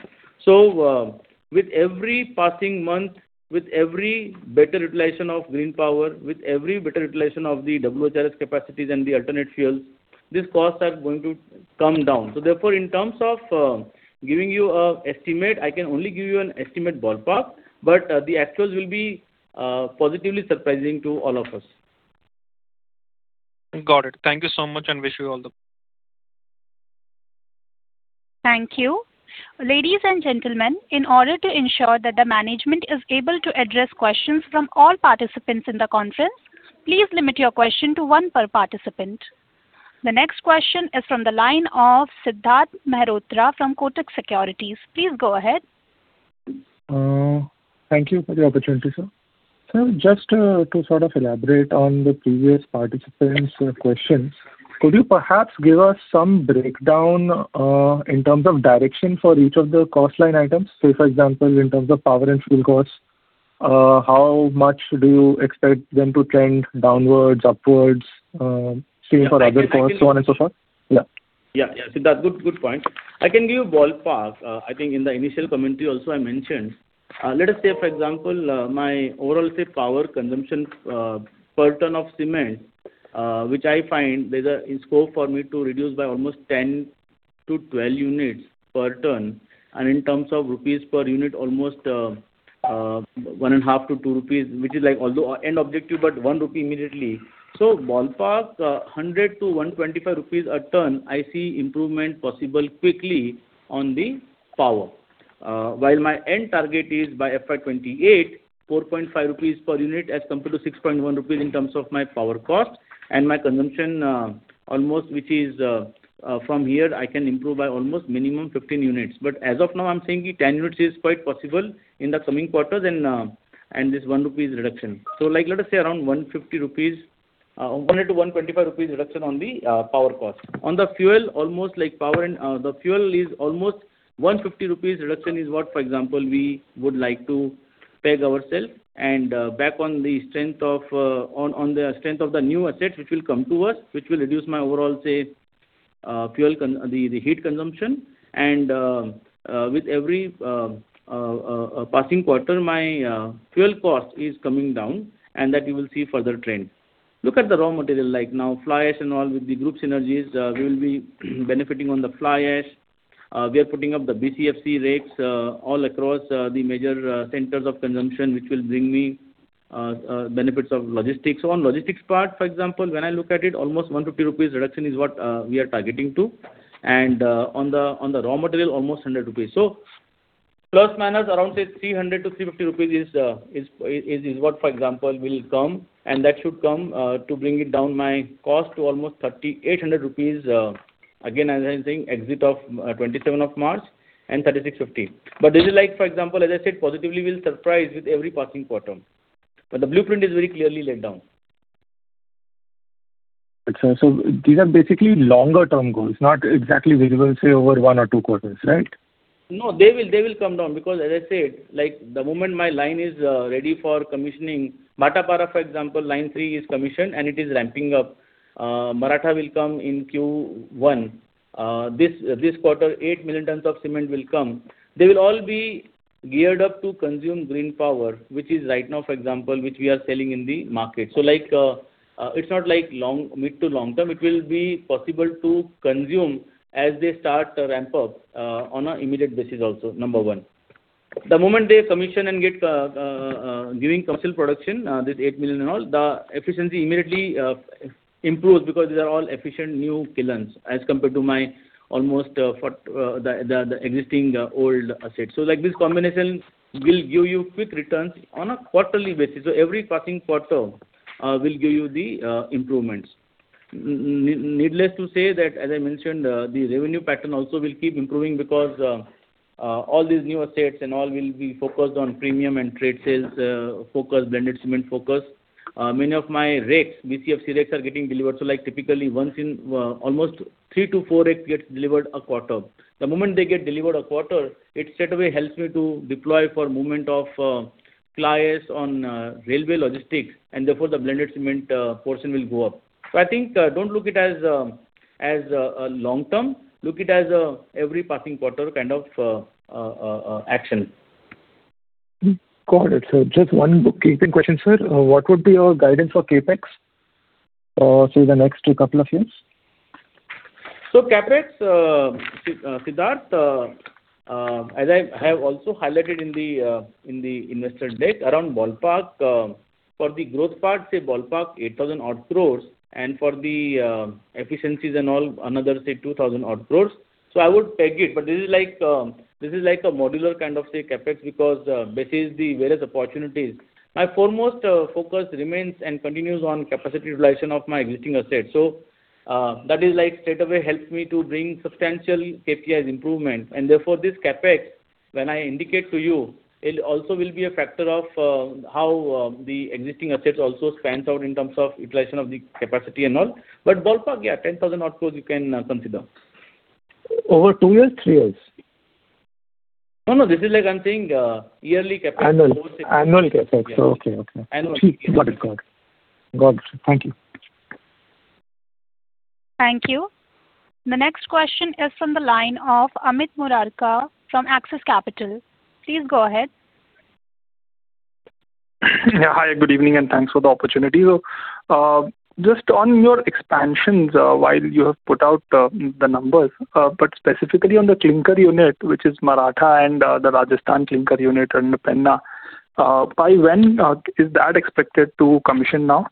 So, with every passing month, with every better utilization of green power, with every better utilization of the WHRS capacities and the alternate fuels, these costs are going to come down. So therefore, in terms of giving you a estimate, I can only give you an estimate ballpark, but the actuals will be positively surprising to all of us. Got it. Thank you so much, and wish you all the... Thank you. Ladies and gentlemen, in order to ensure that the management is able to address questions from all participants in the conference, please limit your question to one per participant. The next question is from the line of Siddharth Mehrotra from Kotak Securities. Please go ahead. Thank you for the opportunity, sir. So just to sort of elaborate on the previous participants' questions, could you perhaps give us some breakdown in terms of direction for each of the cost line items? Say, for example, in terms of power and fuel costs, how much do you expect them to trend downwards, upwards, same for other costs, so on and so forth? Yeah. Yeah, yeah. Siddharth, good, good point. I can give you a ballpark. I think in the initial commentary also, I mentioned, let us say, for example, my overall, say, power consumption, per ton of cement, which I find there's a scope for me to reduce by almost 10-12 units per ton. And in terms of rupees per unit, almost, 1.5-2 rupees, which is like although end objective, but 1 rupee immediately. So ballpark, 100- 125 rupees a ton, I see improvement possible quickly on the power. While my end target is by FY 2028, 4.5 rupees per unit as compared to 6.1 rupees in terms of my power cost. And my consumption, almost which is, from here, I can improve by almost minimum 15 units. But as of now, I'm saying 10 units is quite possible in the coming quarters and this 1 rupees reduction. So like let us say, around 150 rupees, 100-125 rupees reduction on the power cost. On the fuel, almost like power and the fuel is almost 150 rupees reduction is what, for example, we would like to peg ourselves. And back on the strength of the new assets which will come to us, which will reduce my overall the heat consumption, and with every passing quarter, my fuel cost is coming down, and that you will see further trend. Look at the raw material, like now, fly ash and all with the group synergies, we will be benefiting on the fly ash. We are putting up the BCFC rakes all across the major centers of consumption, which will bring me benefits of logistics. So on logistics part, for example, when I look at it, almost 150 rupees reduction is what we are targeting to, and on the raw material, almost 100 rupees. So plus, minus around, say, 300-350 rupees is what, for example, will come, and that should come to bring it down my cost to almost 3,800 rupees, again, as I'm saying, exit of 27th of March and 3,650. But this is like, for example, as I said, positively we'll surprise with every passing quarter. But the blueprint is very clearly laid down. Good, sir. So these are basically longer term goals, not exactly visible, say, over one or two quarters, right? No, they will come down because, as I said, like, the moment my line is ready for commissioning, Bhatapara, for example, line three is commissioned, and it is ramping up. Maratha will come in Q1. This quarter, 8 million tons of cement will come. They will all be geared up to consume green power, which is right now, for example, which we are selling in the market. So like, it's not like long, mid to long term, it will be possible to consume as they start to ramp up, on an immediate basis also, number one. The moment they commission and get giving commercial production, this 8 million and all, the efficiency immediately improves because these are all efficient new kilns, as compared to my almost, for, the, the, the existing, old assets. So, like, this combination will give you quick returns on a quarterly basis. So every passing quarter will give you the improvements. Needless to say that, as I mentioned, the revenue pattern also will keep improving because all these new assets and all will be focused on premium and trade sales, focus, blended cement focus. Many of my rates, BCFC rates, are getting delivered, so, like, typically once in almost three to four rates gets delivered a quarter. The moment they get delivered a quarter, it straightaway helps me to deploy for movement of fly ash on railway logistics, and therefore, the blended cement portion will go up. So I think, don't look it as a long term. Look it as a every passing quarter kind of action. Got it, sir. Just one quick question, sir. What would be your guidance for CapEx through the next couple of years? So CapEx, Siddharth, as I have also highlighted in the, in the investor deck, around ballpark, for the growth part, say, ballpark 8,000 odd crores, and for the, efficiencies and all, another, say, 2,000 odd crores. So I would peg it, but this is like, this is like a modular kind of, say, CapEx, because, this is the various opportunities. My foremost, focus remains and continues on capacity utilization of my existing assets. So, that is like straightaway helps me to bring substantial KPIs improvement, and therefore, this CapEx, when I indicate to you, it also will be a factor of, how, the existing assets also spans out in terms of utilization of the capacity and all. But ballpark, yeah, 10,000 odd crores you can, consider. Over two years to three years? No, no, this is like I'm saying, yearly CapEx- Annual CapEx. Yeah. So, okay, okay. Annual CapEx. Got it, got it. Got it. Thank you. Thank you. The next question is from the line of Amit Murarka from Axis Capital. Please go ahead. Yeah, hi, good evening, and thanks for the opportunity. So, just on your expansions, while you have put out the numbers, but specifically on the clinker unit, which is Maratha and the Rajasthan clinker unit and Penna. By when is that expected to commission now?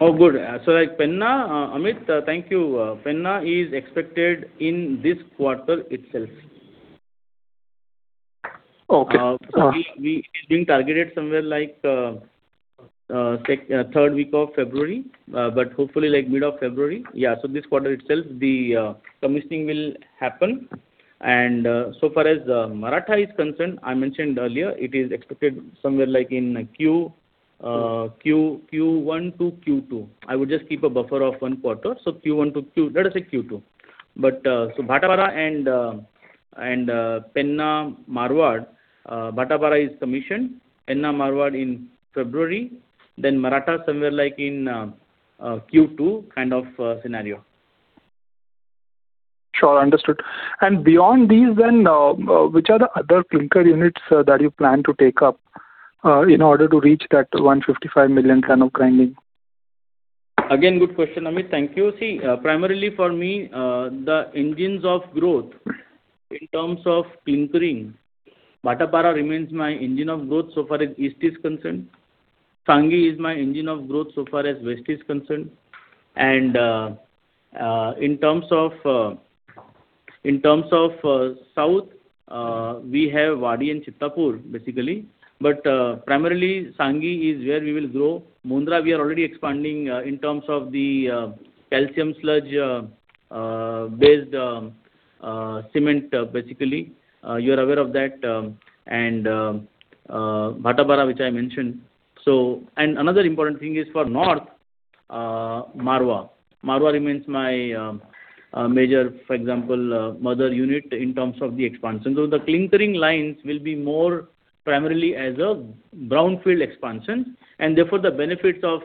Oh, good. So, like Penna, Amit, thank you. Penna is expected in this quarter itself. Okay. It's being targeted somewhere like third week of February, but hopefully like mid of February. Yeah, so this quarter itself, the commissioning will happen. So far as Maratha is concerned, I mentioned earlier, it is expected somewhere like in Q1 to Q2. I would just keep a buffer of one quarter, so Q1 to Q2. Let's say Q2. So Bhatapara and Penna, Marwar, Bhatapara is commissioned, Penna, Marwar in February, then Maratha somewhere like in Q2 kind of scenario. Sure, understood. And beyond these then, which are the other clinker units that you plan to take up in order to reach that 155 million ton of grinding? Again, good question, Amit. Thank you. See, primarily for me, the engines of growth in terms of clinkering, Bhatapara remains my engine of growth so far as East is concerned. Sanghi is my engine of growth so far as West is concerned. And, in terms of South, we have Wadi and Chittapur, basically. But, primarily, Sanghi is where we will grow. Mundra, we are already expanding in terms of the calcium sludge based cement, basically. You are aware of that, and Bhatapara, which I mentioned. So... And another important thing is for North, Marwar. Marwar remains my major, for example, mother unit in terms of the expansion. So the clinker lines will be more primarily as a brownfield expansion, and therefore, the benefits of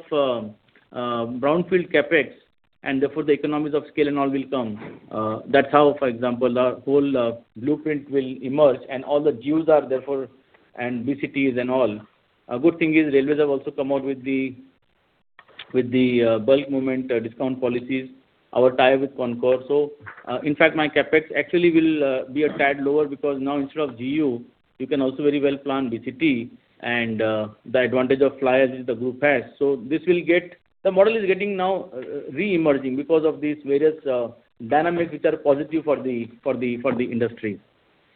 brownfield CapEx, and therefore the economies of scale and all will come. That's how, for example, our whole blueprint will emerge and all the GU are therefore, and BCTs and all. A good thing is Railways have also come out with the bulk movement discount policies, our tie with CONCOR. In fact, my CapEx actually will be a tad lower, because now instead of GU, you can also very well plan BCT and the advantage of fly ash the group has. So this will get the model is getting now reemerging because of these various dynamics, which are positive for the industry.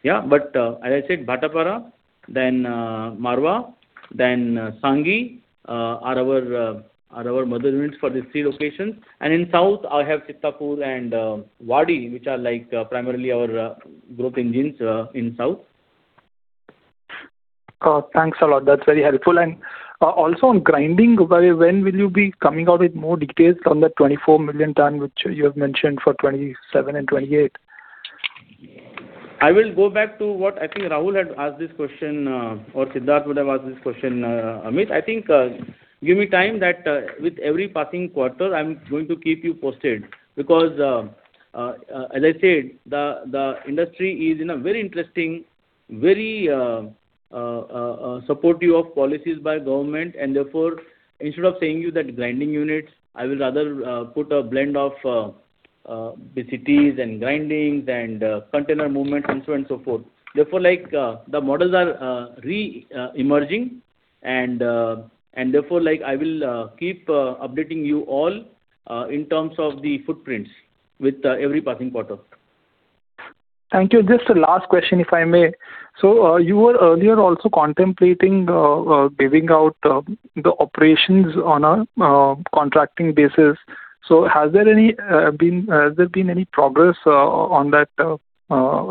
Yeah, but as I said, Bhatapara, then Marwar, then Sanghi are our mother units for these three locations. And in South, I have Chittapur and Wadi, which are like primarily our group engines in South. Thanks a lot. That's very helpful. Also, on grinding, by the way, when will you be coming out with more details on the 24 million ton, which you have mentioned for 2027 and 2028? I will go back to what I think Rahul had asked this question, or Siddharth would have asked this question, Amit. I think, give me time that, with every passing quarter, I'm going to keep you posted, because, as I said, the industry is in a very interesting, very supportive of policies by government, and therefore, instead of saying you that grinding units, I will rather put a blend of BCTs and grindings and container movement, and so on and so forth. Therefore, like, the models are emerging, and therefore, like, I will keep updating you all in terms of the footprints with every passing quarter. Thank you. Just a last question, if I may. So, you were earlier also contemplating giving out the operations on a contracting basis. So has there been any progress on that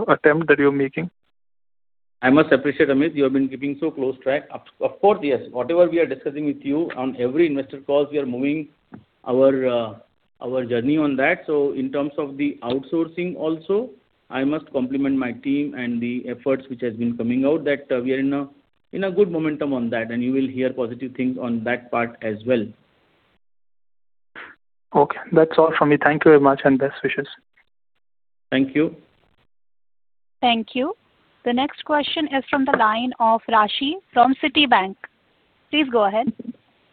attempt that you're making? I must appreciate, Amit, you have been keeping so close track. Of course, yes. Whatever we are discussing with you on every investor call, we are moving our our journey on that. So in terms of the outsourcing also, I must compliment my team and the efforts which has been coming out, that we are in a good momentum on that, and you will hear positive things on that part as well. Okay. That's all from me. Thank you very much, and best wishes. Thank you. Thank you. The next question is from the line of Raashi from Citibank. Please go ahead.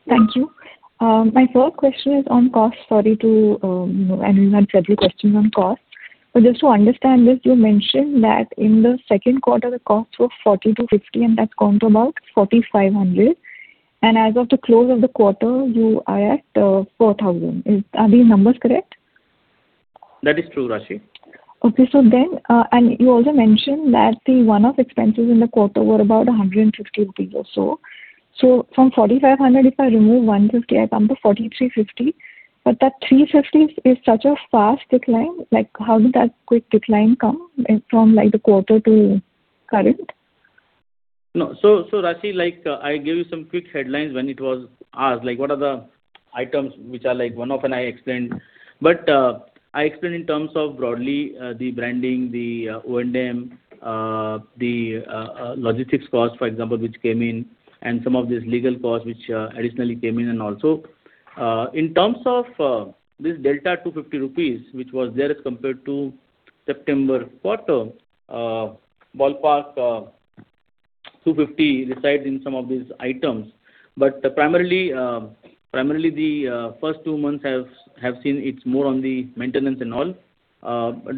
Thank you. My first question is on cost, sorry to, anyone had several questions on cost. But just to understand this, you mentioned that in the second quarter, the costs were 40-INR50, and that's gone to about 4,500. And as of the close of the quarter, you are at, four thousand. Is—are these numbers correct? That is true, Raashi. Okay. So then, and you also mentioned that the one-off expenses in the quarter were about 150 rupees or so. So from 4,500, if I remove 150, I come to 4,350. But that 350 is such a fast decline, like, how did that quick decline come from, like, the quarter to current? No. So, Raashi, like, I gave you some quick headlines when it was asked, like, what are the items which are like one-off, and I explained. But, I explained in terms of broadly, the branding, the O&M, the logistics cost, for example, which came in, and some of these legal costs which, additionally came in and also. In terms of, this delta 250 rupees, which was there as compared to September quarter, ballpark, 250 resides in some of these items. But primarily, primarily, the first two months have seen it's more on the maintenance and all.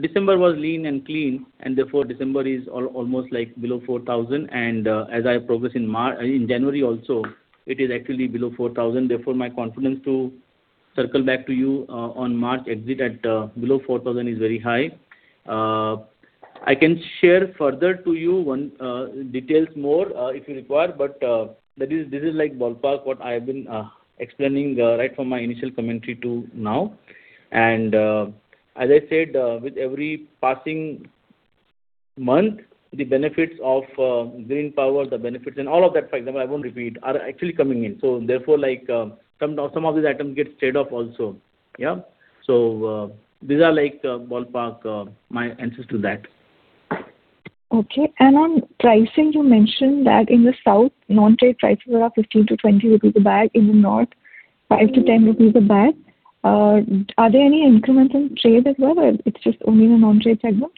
December was lean and clean, and therefore, December is almost like below 4,000. And, as I progress in March. In January also, it is actually below 4,000. Therefore, my confidence to circle back to you on March exit at below 4,000 is very high. I can share further to you, one, details more if you require, but that is, this is like ballpark, what I have been explaining right from my initial commentary to now. And, as I said, with every passing month, the benefits of green power, the benefits and all of that, for example, I won't repeat, are actually coming in. So therefore, like, some, some of these items get trade off also. Yeah. So, these are like ballpark, my answers to that. Okay. And on pricing, you mentioned that in the South, non-trade prices were up 15-20 rupees a bag, in the north, 5-10 rupees a bag. Are there any increments on trade as well, or it's just only in the non-trade segment?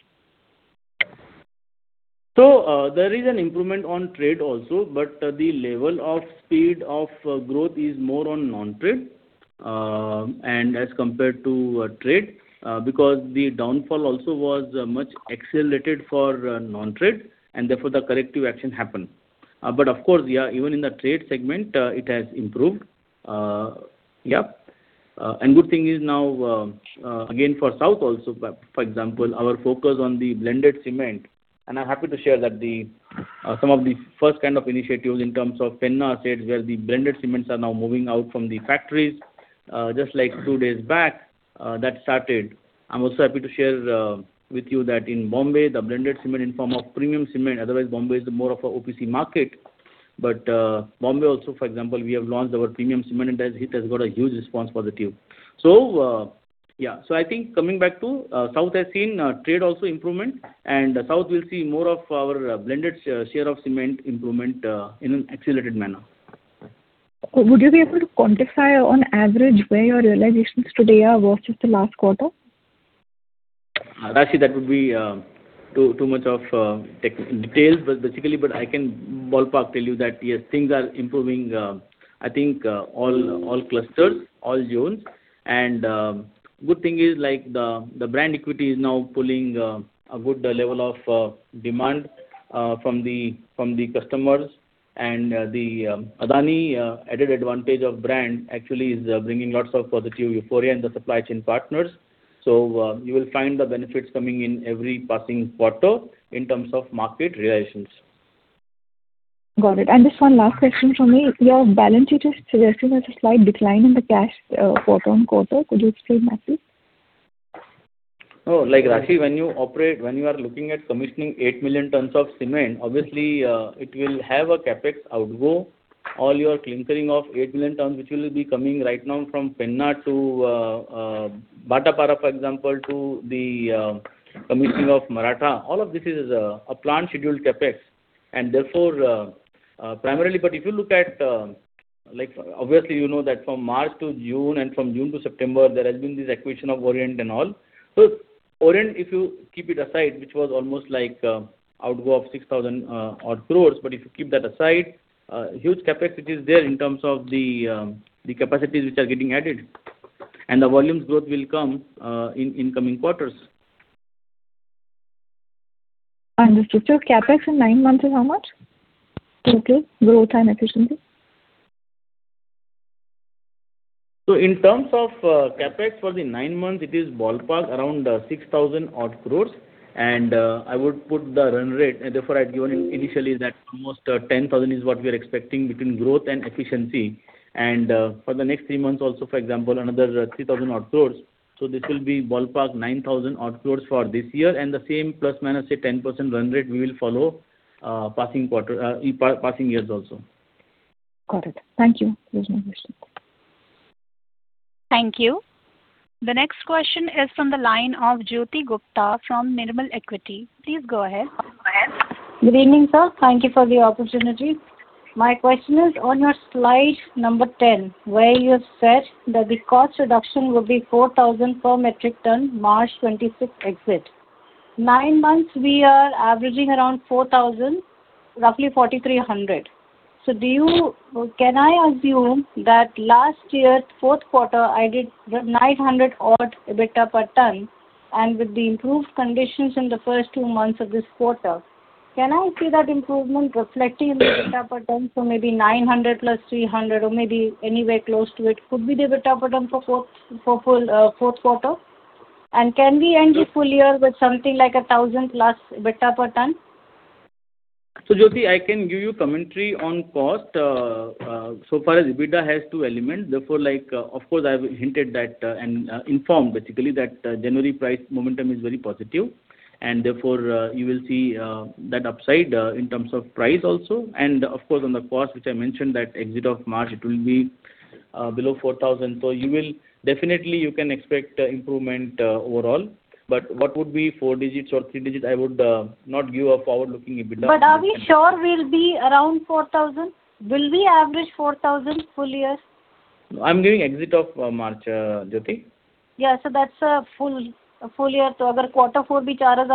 So, there is an improvement on trade also, but the level of speed of growth is more on non-trade, and as compared to trade, because the downfall also was much accelerated for non-trade, and therefore, the corrective action happened. But of course, yeah, even in the trade segment, it has improved. Yeah. And good thing is now, again, for South also, for example, our focus on the blended cement, and I'm happy to share that some of the first kind of initiatives in terms of Penna site, where the blended cements are now moving out from the factories. Just like two days back, that started. I'm also happy to share with you that in Bombay, the blended cement in form of premium cement; otherwise Bombay is more of a OPC market. Mumbai also, for example, we have launched our premium cement, and it has got a huge positive response. So, yeah. So I think coming back to, South has seen trade also improvement, and South will see more of our blended share of cement improvement in an accelerated manner. Would you be able to quantify on average where your realizations today are versus the last quarter? Actually, that would be too much of technical details, but basically, but I can ballpark tell you that, yes, things are improving, I think, all clusters, all zones. And good thing is like the brand equity is now pulling a good level of demand from the customers. And the Adani added advantage of brand actually is bringing lots of positive euphoria in the supply chain partners. So you will find the benefits coming in every passing quarter in terms of market realizations. Got it. Just one last question from me. Your balance sheet is suggesting there's a slight decline in the cash, quarter-on-quarter. Could you explain that, please? Oh, like, actually, when you are looking at commissioning 8 million tons of cement, obviously, it will have a CapEx outgo. All your clinker of 8 million tons, which will be coming right now from Penna to Bhatapara, for example, to the commissioning of Maratha. All of this is a planned scheduled CapEx, and therefore, primarily. But if you look at, like, obviously, you know that from March to June and from June to September, there has been this acquisition of Orient and all. So Orient, if you keep it aside, which was almost like outgo of 6,000-odd crores, but if you keep that aside, huge CapEx, it is there in terms of the capacities which are getting added. And the volumes growth will come, in incoming quarters. Understood. So CapEx in nine months is how much? Total growth and efficiency. In terms of CapEx for the nine months, it is ballpark around 6,000-odd crore, and I would put the run rate, and therefore I'd given you initially that almost 10,000 crore is what we are expecting between growth and efficiency. For the next three months also, for example, another 3,000-odd crore. This will be ballpark 9,000-odd crore for this year, and the same ±10% run rate we will follow, passing quarter, in passing years also. Got it. Thank you. There's no question. Thank you. The next question is from the line of Jyoti Gupta from Nirmal Equity. Please go ahead. Good evening, sir. Thank you for the opportunity. My question is on your slide number 10, where you said that the cost reduction will be 4,000 per metric ton, March 25th exit. Nine months, we are averaging around 4,000, roughly 4,300. So do you... Can I assume that last year's fourth quarter, I did 900-odd EBITDA per ton, and with the improved conditions in the first two months of this quarter, can I see that improvement reflecting in the EBITDA per ton? So maybe 900 + 300, or maybe anywhere close to it, could be the EBITDA per ton for fourth, for full, fourth quarter? And can we end the full year with something like 1,000+ EBITDA per ton? So, Jyoti, I think I can give you commentary on cost. So far as EBITDA has two elements, therefore like, of course, I've hinted that, and, informed basically that January price momentum is very positive, and therefore, you will see, that upside, in terms of price also. And of course, on the cost, which I mentioned, that exit of March, it will be, below 4,000. So you will definitely you can expect improvement, overall, but what would be four digits or three digits? I would, not give a forward-looking EBITDA. But are we sure we'll be around 4,000? Will we average 4,000 full year? I'm giving exit of March, Jyoti. Yeah, so that's a full, a full year. So quarter four, 4,000,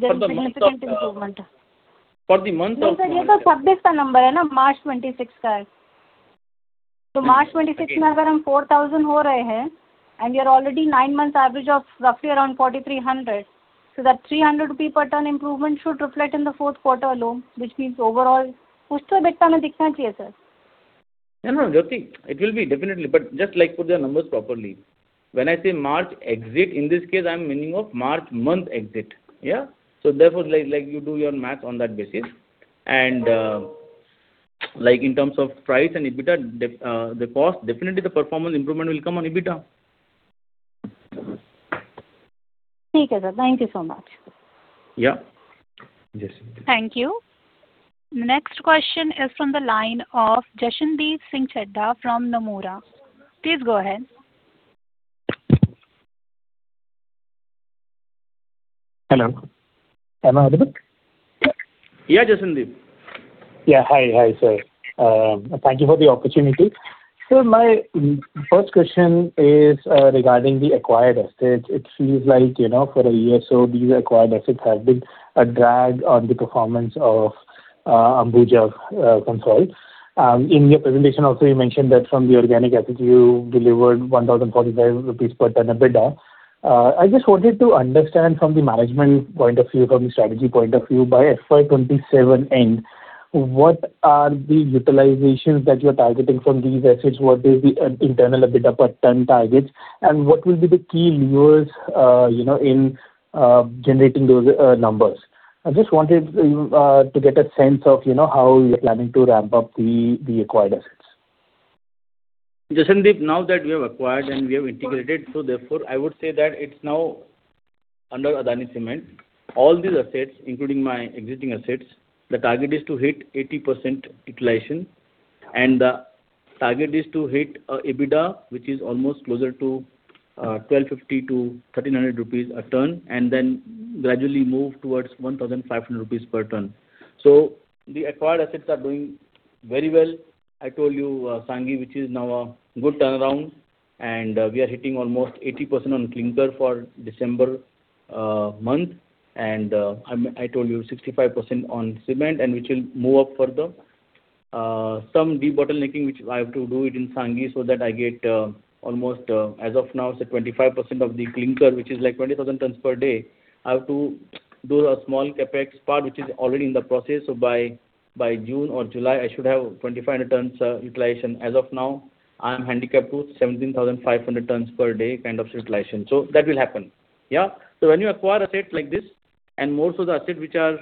there's significant improvement. For the month of- This is the number, March 26th. So March 26th, 4,000, and you're already nine months average of roughly around 4,300. So that 300 rupee per ton improvement should reflect in the fourth quarter alone, which means overall. No, no, Jyoti, it will be definitely, but just, like, put the numbers properly. When I say March exit, in this case, I'm meaning of March month exit. Yeah? So therefore, like, like, you do your math on that basis. And, like in terms of price and EBITDA, the cost, definitely the performance improvement will come on EBITDA. Thank you so much. Yeah. Thank you. Next question is from the line of Jashandeep Singh Chadha from Nomura. Please go ahead. Hello. Am I audible? Yeah, Jasandeep. Yeah. Hi, hi, sir. Thank you for the opportunity. So my first question is, regarding the acquired assets. It seems like, you know, for a year or so, these acquired assets have been a drag on the performance of, Ambuja Consolidated. In your presentation also, you mentioned that from the organic assets, you delivered 1,045 rupees per ton EBITDA. I just wanted to understand from the management point of view, from the strategy point of view, by FY 2027 end, what are the utilizations that you're targeting from these assets? What is the, internal EBITDA per ton targets, and what will be the key levers, you know, in, generating those, numbers? I just wanted, to get a sense of, you know, how you're planning to ramp up the acquired assets. Jasandeep, now that we have acquired and we have integrated, so therefore, I would say that it's now under Adani Cement, all these assets, including my existing assets, the target is to hit 80% utilization, and the target is to hit EBITDA, which is almost closer to 1,250- 1,300 rupees a ton, and then gradually move towards 1,500 rupees per ton. So the acquired assets are doing very well. I told you, Sanghi, which is now a good turnaround, and we are hitting almost 80% on clinker for December month, and I told you 65% on cement, and which will move up further. Some debottlenecking, which I have to do it in Sanghi, so that I get almost, as of now, say, 25% of the clinker, which is like 20,000 tons per day. I have to do a small CapEx part, which is already in the process. So by, by June or July, I should have 25 tons utilization. As of now, I'm handicapped to 17,500 tons per day, kind of, utilization. So that will happen. Yeah. So when you acquire assets like this, and most of the assets which are,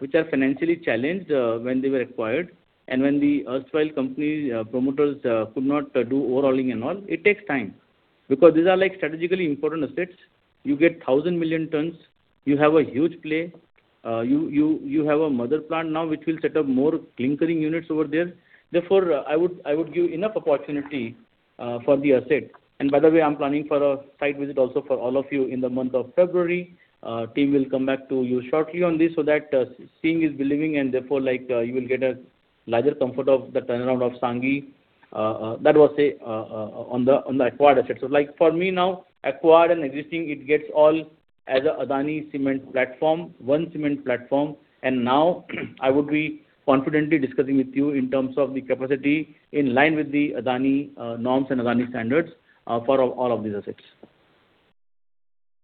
which are financially challenged, when they were acquired, and when the erstwhile company promoters could not do overhauling and all, it takes time. Because these are, like, strategically important assets. You get 1,000 million tons, you have a huge play, you have a mother plant now, which will set up more clinker units over there. Therefore, I would give enough opportunity for the asset. And by the way, I'm planning for a site visit also for all of you in the month of February. Team will come back to you shortly on this, so that seeing is believing, and therefore, like, you will get a larger comfort of the turnaround of Sanghi. That was, say, on the acquired assets. So, like, for me now, acquired and existing, it gets all as a Adani Cement platform, one cement platform. Now, I would be confidently discussing with you in terms of the capacity in line with the Adani norms and Adani standards for all of these assets.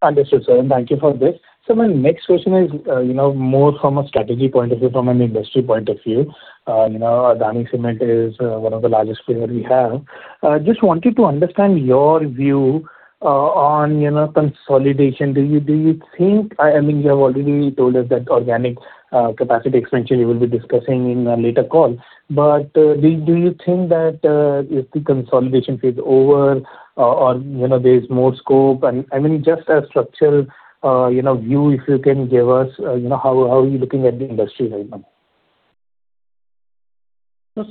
Understood, sir, and thank you for this. So my next question is, you know, more from a strategy point of view, from an industry point of view. You know, Adani Cement is one of the largest player we have. Just wanted to understand your view on, you know, consolidation. Do you, do you think... I, I mean, you have already told us that organic capacity expansion you will be discussing in a later call, but do, do you think that if the consolidation phase is over or, you know, there is more scope? And, I mean, just a structural, you know, view, if you can give us, you know, how, how are you looking at the industry right now?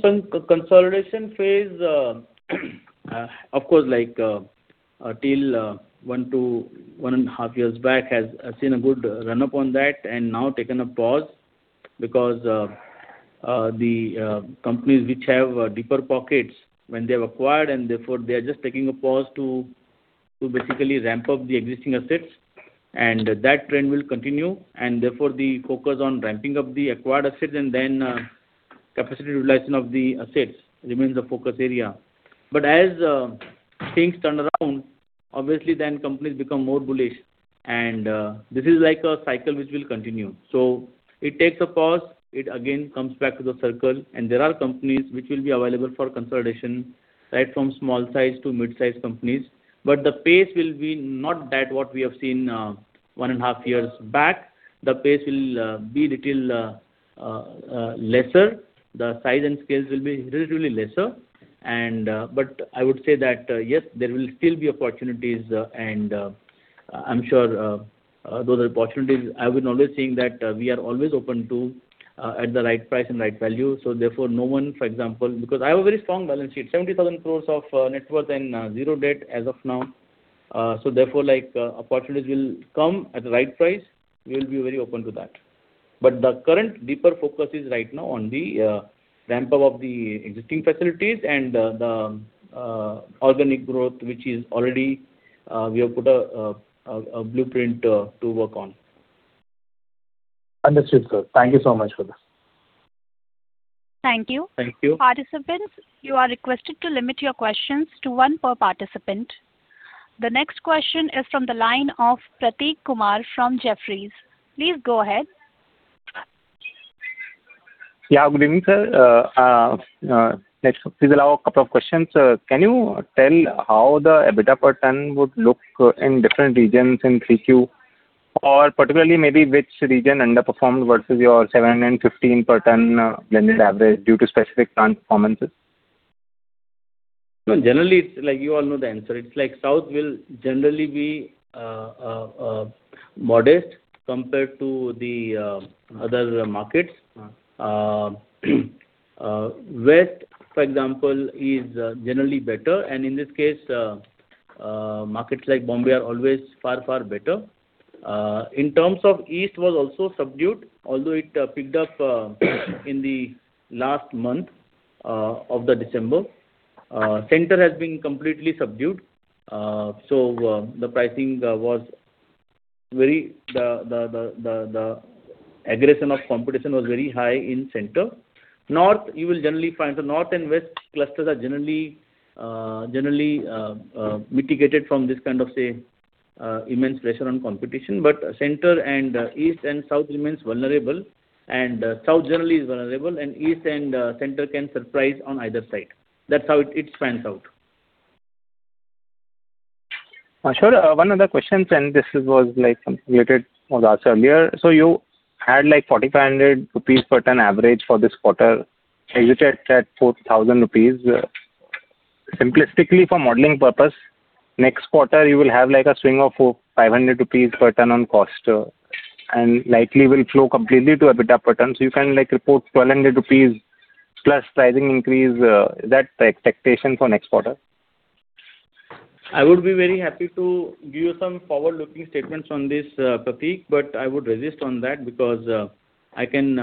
So consolidation phase, of course, like, until one to one and a half years back, has seen a good run-up on that, and now taken a pause, because the companies which have deeper pockets when they have acquired, and therefore they are just taking a pause to basically ramp up the existing assets, and that trend will continue, and therefore the focus on ramping up the acquired assets and then capacity utilization of the assets remains the focus area. But as things turn around, obviously then companies become more bullish, and this is like a cycle which will continue. So it takes a pause, it again comes back to the cycle, and there are companies which will be available for consolidation, right from small size to mid-size companies. But the pace will be not that what we have seen one and a half years back. The pace will be little lesser. The size and scales will be relatively lesser. But I would say that yes, there will still be opportunities, and I'm sure those are opportunities. I would always saying that we are always open to at the right price and right value. So therefore, no one, for example, because I have a very strong balance sheet, 70,000 crore of net worth and zero debt as of now. So therefore, like, opportunities will come at the right price, we'll be very open to that. But the current deeper focus is right now on the ramp up of the existing facilities and the organic growth, which is already we have put a blueprint to work on. Understood, sir. Thank you so much for this. Thank you. Thank you. Participants, you are requested to limit your questions to one per participant. The next question is from the line of Prateek Kumar from Jefferies. Please go ahead. Yeah, good evening, sir. Please allow a couple of questions. Can you tell how the EBITDA per ton would look in different regions in 3Q? Or particularly, maybe which region underperformed versus your seven and 15 per ton, blended average due to specific performances? No, generally, it's like you all know the answer. It's like South will generally be modest compared to the other markets. West, for example, is generally better, and in this case, markets like Mumbai are always far, far better. In terms of East was also subdued, although it picked up in the last month of the December. Center has been completely subdued. So, the pricing was very. The aggression of competition was very high in Center. North, you will generally find. The North and West clusters are generally mitigated from this kind of, say, immense pressure on competition. But Center and East and South remains vulnerable, and South generally is vulnerable, and East and Center can surprise on either side. That's how it pans out. Sure. One other question, and this was, like, related, was asked earlier. So you had, like, 4,500 rupees per ton average for this quarter. Exit at 4,000 rupees, simplistically, for modeling purpose, next quarter you will have like a swing of 400-500 rupees per ton on cost, and likely will flow completely to EBITDA per ton. So you can like report 1,200+ rupees pricing increase, that expectation for next quarter? I would be very happy to give you some forward-looking statements on this, Prateek, but I would resist on that because I can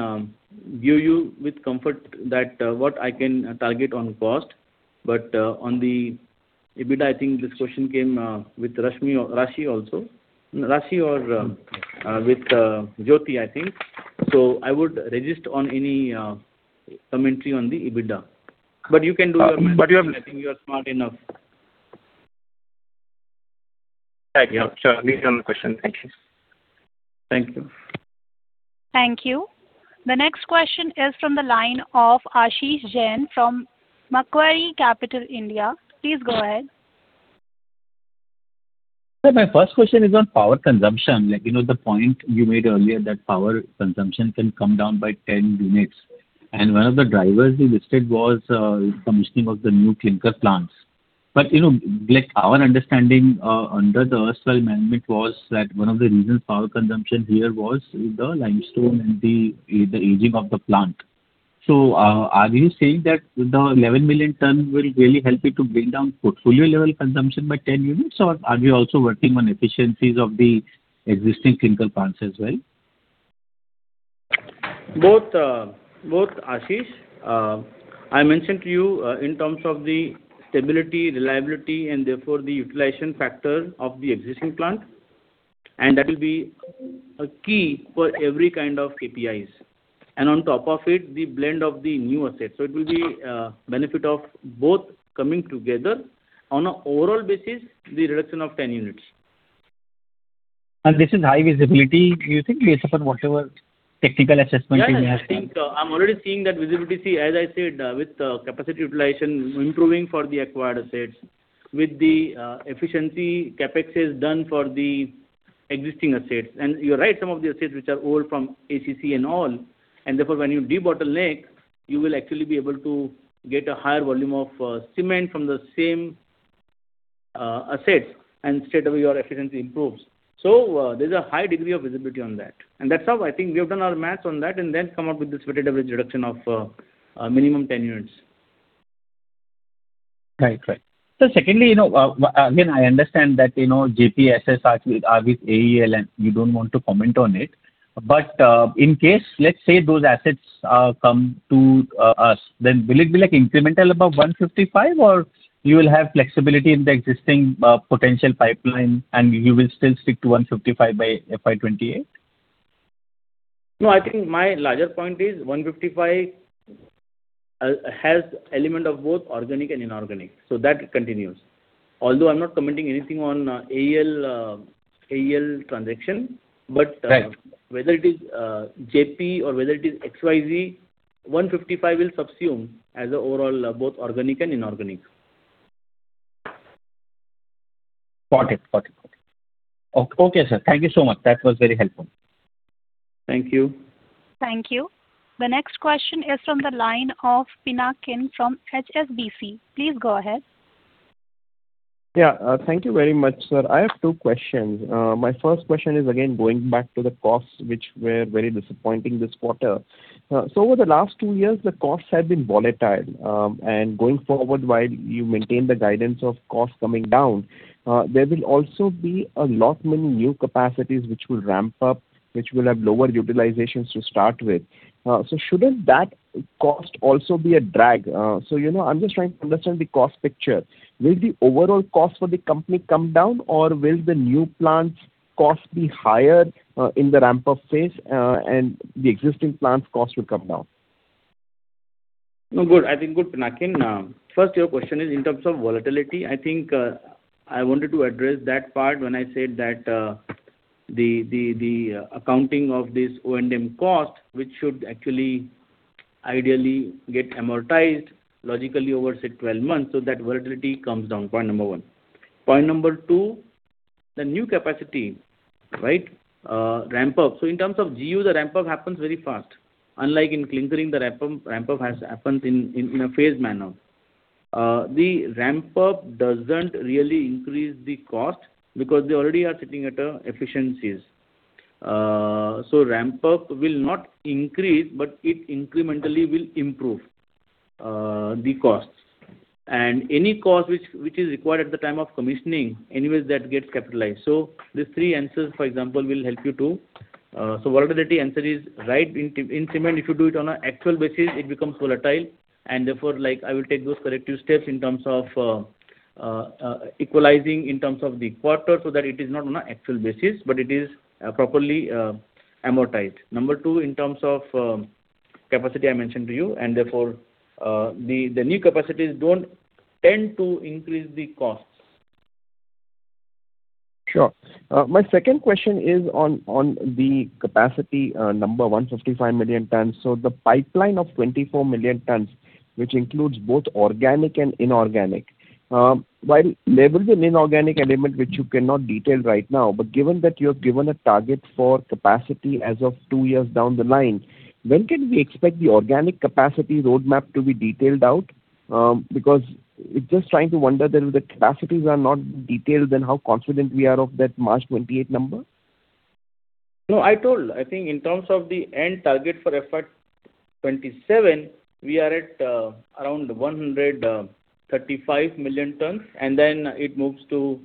give you with comfort that what I can target on cost. But on the EBITDA, I think this question came with Raashi or Rashmi also. Raashi or with Jyoti, I think. So I would resist on any commentary on the EBITDA. But you can do your I think you are smart enough. Thank you. Sure, leave it on the question. Thank you. Thank you. Thank you. The next question is from the line of Ashish Jain from Macquarie Capital India. Please go ahead. Sir, my first question is on power consumption. Like, you know, the point you made earlier that power consumption can come down by 10 units, and one of the drivers you listed was commissioning of the new clinker plants. But, you know, like, our understanding under the earlier management was that one of the reasons power consumption here was the limestone and the aging of the plant. So, are you saying that the 11 million ton will really help you to bring down portfolio-level consumption by 10 units, or are you also working on efficiencies of the existing clinker plants as well? Both, Ashish. I mentioned to you in terms of the stability, reliability, and therefore the utilization factor of the existing plant, and that will be a key for every kind of KPIs. And on top of it, the blend of the new assets. So it will be benefit of both coming together on an overall basis, the reduction of 10 units. This is high visibility, do you think, based upon whatever technical assessment you have? Yeah, I think, I'm already seeing that visibility. As I said, with, capacity utilization improving for the acquired assets, with the, efficiency CapEx is done for the existing assets. And you're right, some of the assets which are old from ACC and all, and therefore, when you debottleneck, you will actually be able to get a higher volume of, cement from the same, assets, and straightaway your efficiency improves. So, there's a high degree of visibility on that. And that's how I think we have done our math on that, and then come up with this weighted average reduction of, a minimum 10 units. Right. Right. So secondly, you know, again, I understand that, you know, Jaypee's are, are with AEL, and you don't want to comment on it. But, in case, let's say those assets, come to, us, then will it be like incremental above 155 million, or you will have flexibility in the existing, potential pipeline, and you will still stick to 155 million by FY 2028? No, I think my larger point is 155 million has element of both organic and inorganic, so that continues. Although I'm not commenting anything on AEL AEL transaction, but- Right. whether it is Jaypee or whether it is XYZ, 155 million will subsume as a overall both organic and inorganic. Got it. Got it, got it. Okay, sir. Thank you so much. That was very helpful. Thank you. Thank you. The next question is from the line of Pinakin from HSBC. Please go ahead. Yeah, thank you very much, sir. I have two questions. My first question is, again, going back to the costs, which were very disappointing this quarter. So over the last two years, the costs have been volatile. And going forward, while you maintain the guidance of costs coming down, there will also be a lot many new capacities which will ramp up, which will have lower utilizations to start with. So shouldn't that cost also be a drag? So, you know, I'm just trying to understand the cost picture. Will the overall cost for the company come down, or will the new plants' cost be higher, in the ramp-up phase, and the existing plants' cost will come down? No, good. I think good, Pinakin. First, your question is in terms of volatility. I think, I wanted to address that part when I said that, the accounting of this O&M cost, which should actually ideally get amortized logically over, say, 12 months, so that volatility comes down. Point number one. Point number two, the new capacity, right, ramp up. So in terms of GU, the ramp up happens very fast. Unlike in clinkering, the ramp up has happened in a phased manner. The ramp up doesn't really increase the cost because they already are sitting at, efficiencies. So ramp up will not increase, but it incrementally will improve, the costs. And any cost which is required at the time of commissioning, anyways, that gets capitalized. So the three answers, for example, will help you to... So volatility answer is, right, in cement, if you do it on an actual basis, it becomes volatile, and therefore, like, I will take those corrective steps in terms of equalizing in terms of the quarter, so that it is not on an actual basis, but it is properly amortized. Number two, in terms of capacity, I mentioned to you, and therefore the new capacities don't tend to increase the costs. Sure. My second question is on the capacity, number 155 million tons. So the pipeline of 24 million tons, which includes both organic and inorganic, while there is an inorganic element which you cannot detail right now, but given that you have given a target for capacity as of two years down the line, when can we expect the organic capacity roadmap to be detailed out? Because it's just trying to wonder that if the capacities are not detailed, then how confident we are of that March 2028 number? No, I told, I think in terms of the end target for FY 2027, we are at, around 135 million tons, and then it moves to,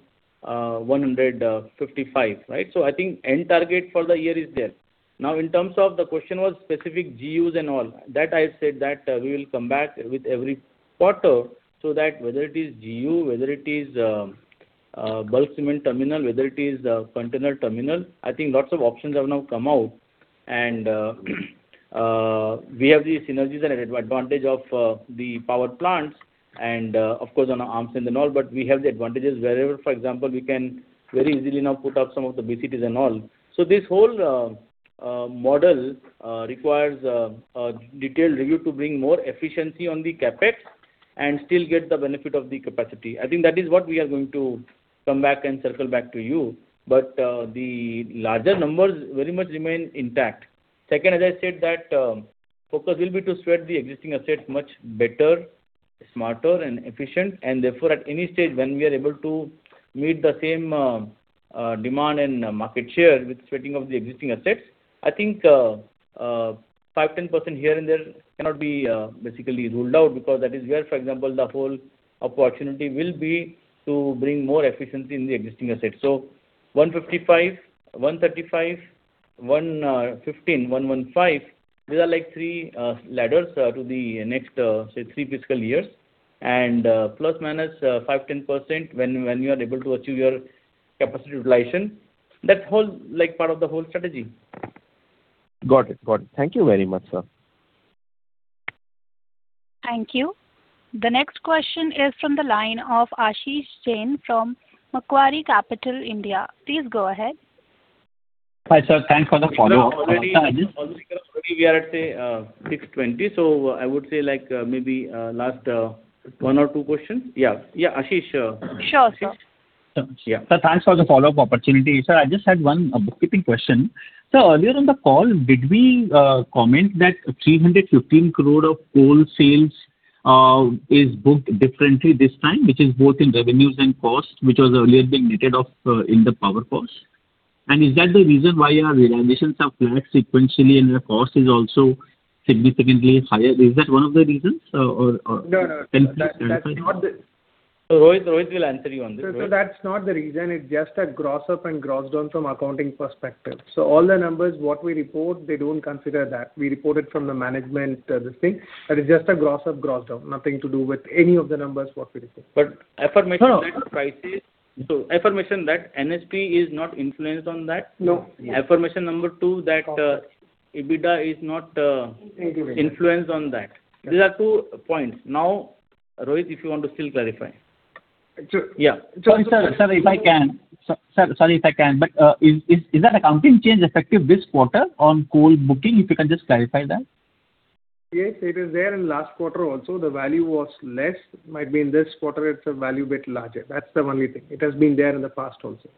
155 million tons, right? So I think end target for the year is there. Now, in terms of the question was specific GUs and all, that I said that, we will come back with every quarter, so that whether it is GU, whether it is, bulk cement terminal, whether it is a container terminal, I think lots of options have now come out. And, we have these synergies and advantage of, the power plants and, of course, on our AFRs and all, but we have the advantages wherever, for example, we can very easily now put up some of the BCTs and all. So this whole model requires a detailed review to bring more efficiency on the CapEx and still get the benefit of the capacity. I think that is what we are going to come back and circle back to you. But the larger numbers very much remain intact. Second, as I said, that focus will be to spread the existing assets much better, smarter, and efficient, and therefore, at any stage, when we are able to meet the same demand and market share with spreading of the existing assets, I think 5%-10% here and there cannot be basically ruled out because that is where, for example, the whole opportunity will be to bring more efficiency in the existing assets. So 155, 135, 115, these are like three ladders to the next, say, three fiscal years. And ±5%-10% when you are able to achieve your capacity utilization. That's whole, like, part of the whole strategy. Got it. Got it. Thank you very much, sir. Thank you. The next question is from the line of Ashish Jain from Macquarie Capital India. Please go ahead. Hi, sir, thanks for the follow-up. Already we are at, say, 6:20, so I would say, like, maybe last one or two questions. Yeah. Yeah, Ashish. Sure, sir. Yeah. So thanks for the follow-up opportunity. Sir, I just had one, bookkeeping question. Sir, earlier in the call, did we, comment that 315 crore of coal sales, is booked differently this time, which is both in revenues and costs, which was earlier being netted off, in the power costs? And is that the reason why our realizations are flat sequentially and our cost is also significantly higher? Is that one of the reasons, or- No, no, that's not the. So Rohit, Rohit w ill answer you on this. So that's not the reason. It's just a gross up and gross down from accounting perspective. So all the numbers, what we report, they don't consider that. We report it from the management, this thing. That is just ag ross up, gross down. Nothing to do with any of the numbers, what we report. But affirmation that prices... So affirmation that NSP is not influenced on that? No. Affirmation number two, that EBITDA is not influenced on that. These are two points. Now, Rohit, if you want to still clarify. Sure. Yeah. Sorry, sir, if I can. Sir, sorry, if I can, but is that accounting change effective this quarter on coal booking? If you can just clarify that. Yes, it is there in last quarter also, the value was less. Might be in this quarter, it's a value bit larger. That's the only thing. It has been there in the past also.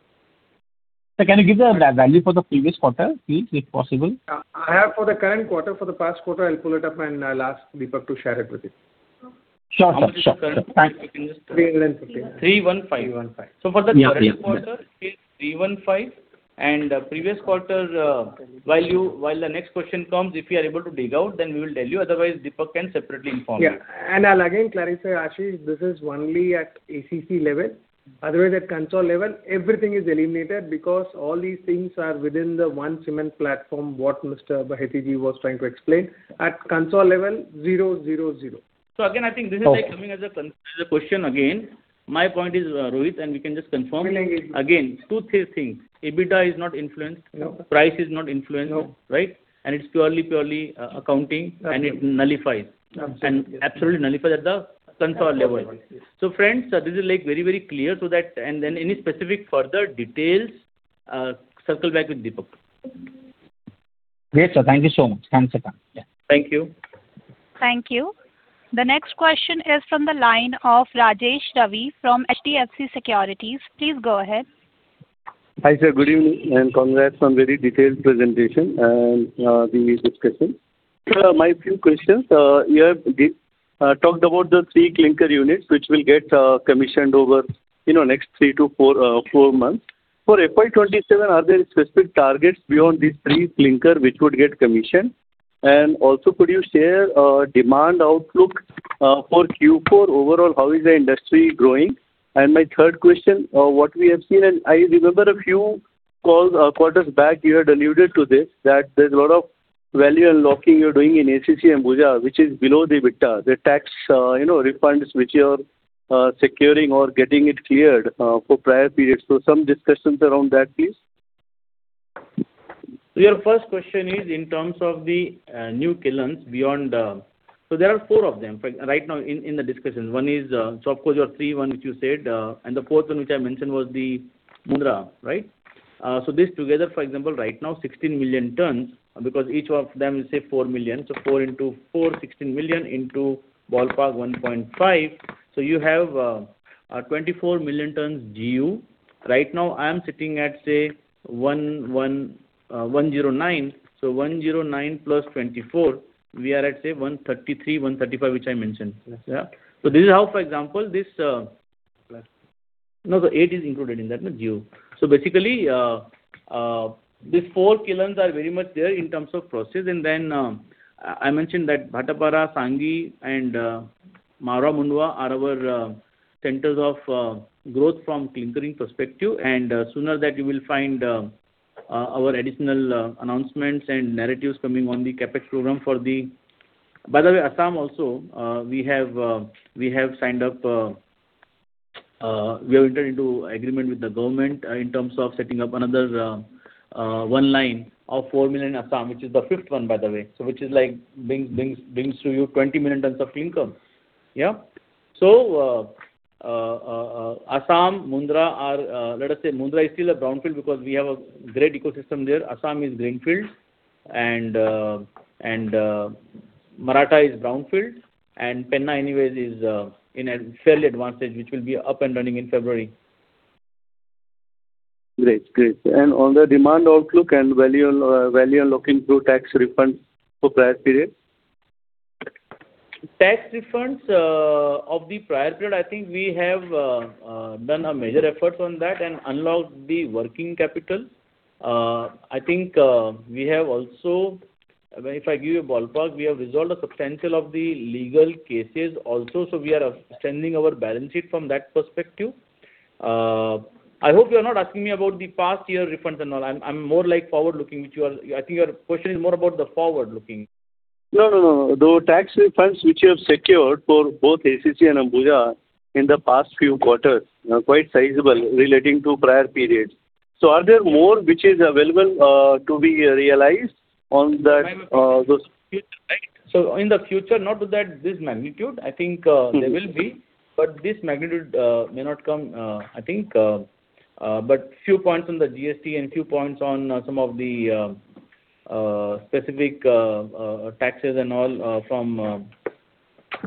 Sir, can you give the value for the previous quarter, please, if possible? I have for the current quarter. For the past quarter, I'll pull it up and I'll ask Deepak to share it with you. Sure, sir. Sure, sure. Thanks. 315. 315. Yeah. So for the current quarter, it's 315, and previous quarter, while the next question comes, if you are able to dig out, then we will tell you. Otherwise, Deepak can separately inform you. Yeah, and I'll again clarify, Ashish, this is only at ACC level. Otherwise, at consolidated level, everything is eliminated because all these things are within the one cement platform, what Mr. Bahety was trying to explain. At consolidated level, zero, zero, zero. So again, I think this is like coming as a question again. My point is, Rohit, and we can just confirm. Again, two, three things. EBITDA is not influenced. No. Price is not influenced. No. Right? And it's purely, purely accounting. Absolutely. And it nullifies. Absolutely. And absolutely nullifies at the consolidated level. Absolutely. So friends, this is, like, very, very clear, so that... And then any specific further details, circle back with Deepak. Great, sir. Thank you so much. Thanks again. Yeah. Thank you. Thank you. The next question is from the line of Rajesh Ravi from HDFC Securities. Please go ahead. Hi, sir, good evening, and congrats on very detailed presentation and, the discussion. So my few questions, you have talked about the three clinker units, which will get commissioned over, you know, next three to four months. For FY 2027, are there specific targets beyond these three clinker, which would get commissioned? And also, could you share demand outlook for Q4? Overall, how is the industry growing? And my third question, what we have seen, and I remember a few calls or quarters back, you had alluded to this, that there's a lot of value unlocking you're doing in ACC Ambuja, which is below the EBITDA, the tax, you know, refunds which you are securing or getting it cleared for prior periods. So some discussions around that, please. So your first question is in terms of the new kilns beyond. So there are four of them right now in the discussions. One is, so of course, your three one, which you said, and the fourth one, which I mentioned was the Mundra, right? So this together, for example, right now, 16 million tons, because each of them is, say, 4 million. So four into four, 16 million, into ballpark 1.5. So you have 24 million tons GU. Right now, I'm sitting at, say, 109. So 109 + 24, we are at, say, 133-135, which I mentioned. Yeah? So this is how, for example, this. No, the eight is included in that, the GU. So basically, these four kilns are very much there in terms of process. And then, I mentioned that Bhatapara, Sanghi, and Marwar, Mundra are our centers of growth from clinkering perspective. And sooner that you will find our additional announcements and narratives coming on the CapEx program for the- By the way, Assam also, we have signed up, we have entered into agreement with the government in terms of setting up another one line of 4 million in Assam, which is the fifth one, by the way. So which is like, brings to you 20 million tons of clinker. Yeah. So, Assam, Mundra are, let us say Mundra is still a brownfield, because we have a great ecosystem there. Assam is greenfield, and Maratha is brownfield, and Penna anyways is in a fairly advantage, which will be up and running in February. Great. Great. On the demand outlook and value, value unlocking through tax refunds for prior period? Tax refunds of the prior period, I think we have done a major effort on that and unlocked the working capital. I think we have also... I mean, if I give you a ballpark, we have resolved a substantial of the legal cases also, so we are extending our balance sheet from that perspective. I hope you are not asking me about the past year refunds and all. I'm more like forward-looking, which you are, I think your question is more about the forward-looking. No, no, no. The tax refunds which you have secured for both ACC and Ambuja in the past few quarters are quite sizable relating to prior periods. So are there more which is available, to be realized on that, those? Right. So in the future, not to that, this magnitude, I think, there will be, but this magnitude, may not come, I think. But few points on the GST and few points on, some of the, specific, taxes and all, from,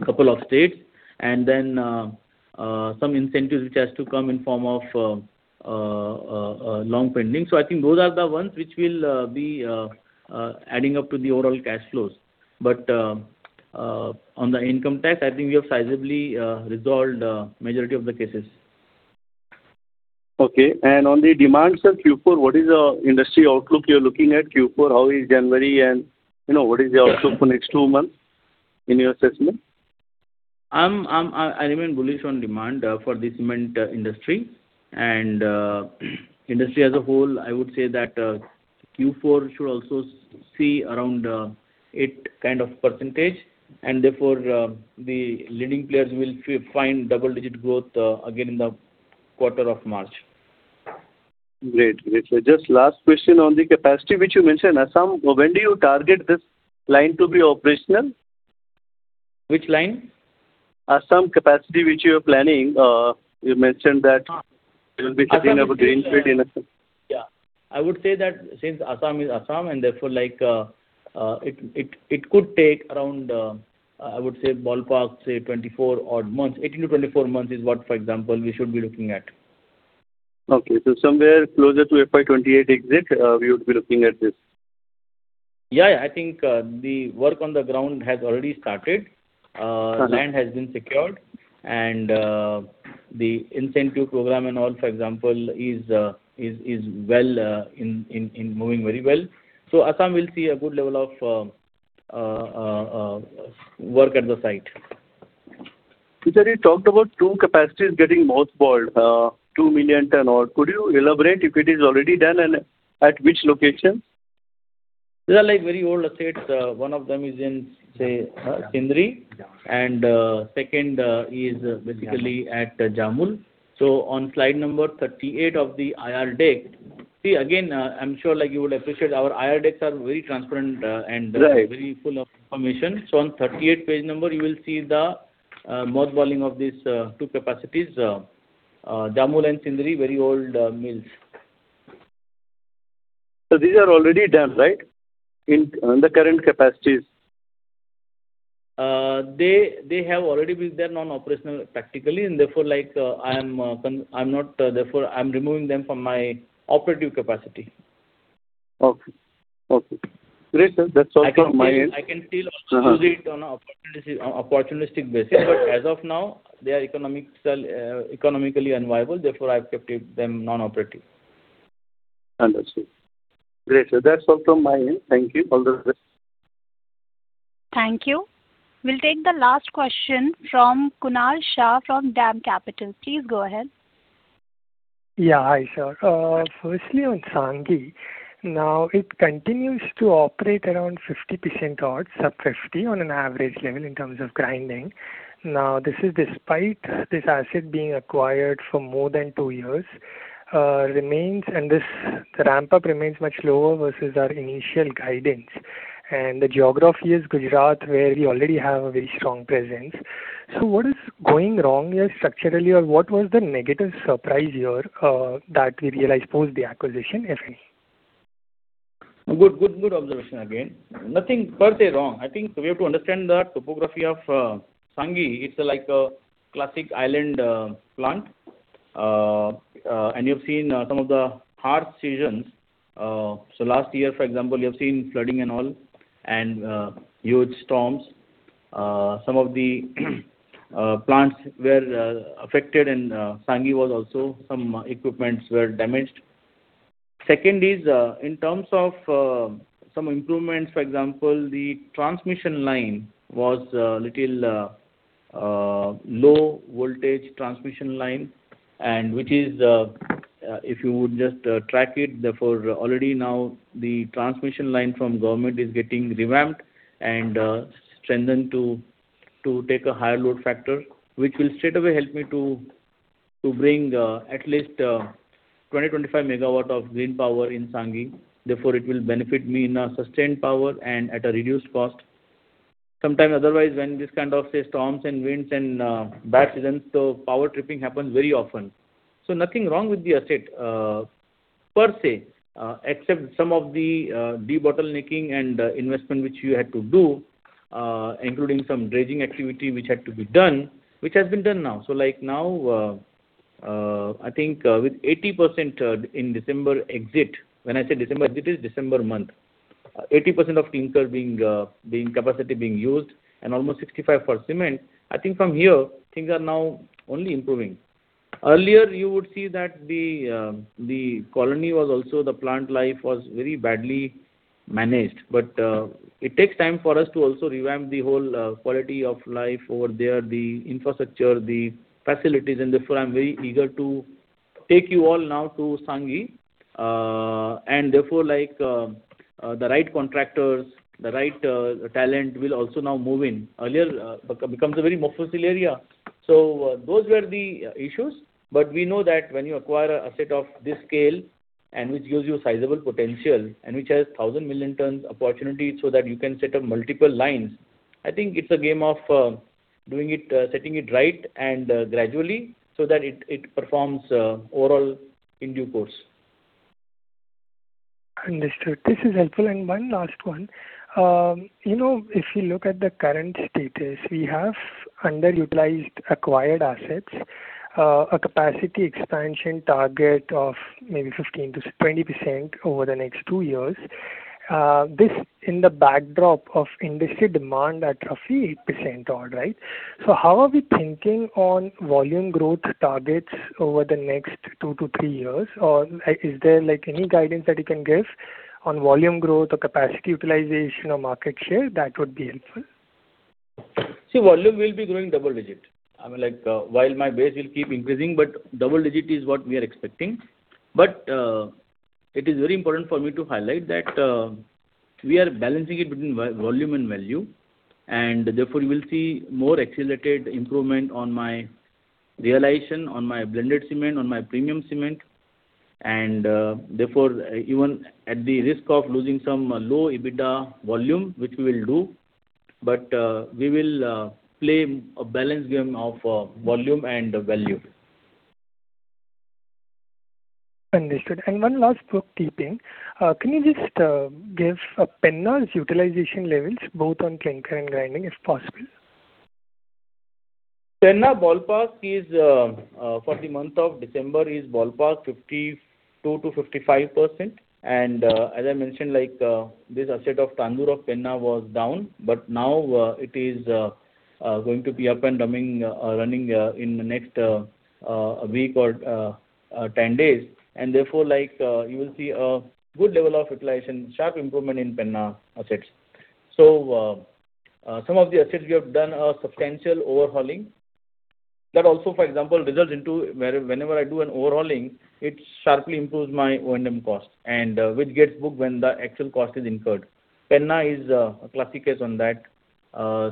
couple of states, and then, some incentives which has to come in form of, long pending. So I think those are the ones which will, be, adding up to the overall cash flows. But, on the income tax, I think we have sizably, resolved, majority of the cases. Okay. And on the demand side, Q4, what is the industry outlook you're looking at Q4? How is January, and, you know, what is the outlook for next two months in your assessment? I remain bullish on demand for the cement industry. And industry as a whole, I would say that Q4 should also see around 8% and therefore the leading players will find double-digit growth again in the quarter of March. Great. Great. Just last question on the capacity which you mentioned, Assam, when do you target this line to be operational? Which line? Assam capacity, which you are planning. You mentioned that you will be setting up a greenfield in Assam. Yeah. I would say that since Assam is Assam, and therefore, like, it could take around. I would say ballpark, say 24-odd months. 18-24 months is what, for example, we should be looking at. Okay. So somewhere closer to FY 2028 exit, we would be looking at this? Yeah, yeah. I think, the work on the ground has already started. Got it. Land has been secured, and the incentive program and all, for example, is well in moving very well. So Assam will see a good level of work at the site. Sir, you talked about two capacities getting mothballed, 2 million ton odd. Could you elaborate if it is already done, and at which location? These are like very old assets. One of them is in, say, Sindri, and second is basically at Jamul. So on slide number 38 of the IR deck. See, again, I'm sure like you would appreciate, our IR decks are very transparent, and very full of information. So on Page 38, you will see the mothballing of these two capacities, Jamul and Sindri, very old mills. So these are already done, right? In the current capacities. They have already been there non-operational practically, and therefore, like, I'm not... Therefore, I'm removing them from my operative capacity. Okay. Okay. Great, sir. That's all from my end. I can still also use it on a opportunistic basis, but as of now, they are economically unviable. Therefore, I've kept them non-operative. Understood. Great, sir. That's all from my end. Thank you. All the best. Thank you. We'll take the last question from Kunal Shah, from DAM Capital. Please go ahead. Yeah. Hi, sir. Firstly, on Sanghi, now, it continues to operate around 50% odd, sub 50%, on an average level in terms of grinding. Now, this is despite this asset being acquired for more than two years, remains and this ramp-up remains much lower versus our initial guidance. And the geography is Gujarat, where you already have a very strong presence. So what is going wrong here structurally, or what was the negative surprise here, that we realized post the acquisition, if any? Good, good, good observation again. Nothing per se wrong. I think we have to understand the topography of Sanghi. It's like a classic island plant. And you've seen some of the harsh seasons. So last year, for example, you've seen flooding and all, and huge storms. Some of the plants were affected, and Sanghi was also, some equipment was damaged. Second is, in terms of some improvements, for example, the transmission line was little low voltage transmission line, and which is, if you would just track it, therefore, already now the transmission line from government is getting revamped and strengthened to take a higher load factor, which will straightaway help me to bring at lEast 20 MW-25 MW of green power in Sanghi. Therefore, it will benefit me in a sustained power and at a reduced cost. Sometimes otherwise, when this kind of, say, storms and winds and bad seasons, so power tripping happens very often. So nothing wrong with the asset, per se, except some of the debottlenecking and investment which you had to do, including some dredging activity, which had to be done, which has been done now. So, like, now, I think, with 80% in December exit-- When I say December exit, it's December month. 80% of the clinker capacity being used, and almost 65 for cement. I think from here, things are now only improving. Earlier, you would see that the colony was also the plant life was very badly managed, but it takes time for us to also revamp the whole quality of life over there, the infrastructure, the facilities, and therefore, I'm very eager to take you all now to Sanghi. And therefore, like the right contractors, the right talent will also now move in. Earlier becomes a very mofussil area. So those were the issues, but we know that when you acquire a asset of this scale, and which gives you sizable potential, and which has 1,000 million tons opportunity so that you can set up multiple lines, I think it's a game of doing it, setting it right and gradually, so that it performs overall in due course. Understood. This is helpful. One last one. You know, if you look at the current status, we have underutilized acquired assets, a capacity expansion target of maybe 15%-20% over the next two years. This in the backdrop of industry demand at roughly 8% odd, right? So how are we thinking on volume growth targets over the next two-three years? Or is there, like, any guidance that you can give on volume growth or capacity utilization or market share? That would be helpful. See, volume will be growing double-digit. I mean, like, while my base will keep increasing, but double-digit is what we are expecting, but it is very important for me to highlight that we are balancing it between volume and value, and therefore, you will see more accelerated improvement on my realization, on my blended cement, on my premium cement. And therefore, even at the risk of losing some low EBITDA volume, which we will do, but we will play a balance game of volume and value. Understood. And one last bookkeeping. Can you just give Penna's utilization levels, both on clinker and grinding, if possible? Penna ballpark is, for the month of December, is ballpark 52%-55%. As I mentioned, like, this asset of Tandur of Penna was down, but now, it is going to be up and running, running, in the next week or 10 days. Therefore, like, you will see a good level of utilization, sharp improvement in Penna assets. So, some of the assets we have done a substantial overhauling. That also, for example, results into where whenever I do an overhauling, it sharply improves my O&M cost, and, which gets booked when the actual cost is incurred. Penna is a classic case on that.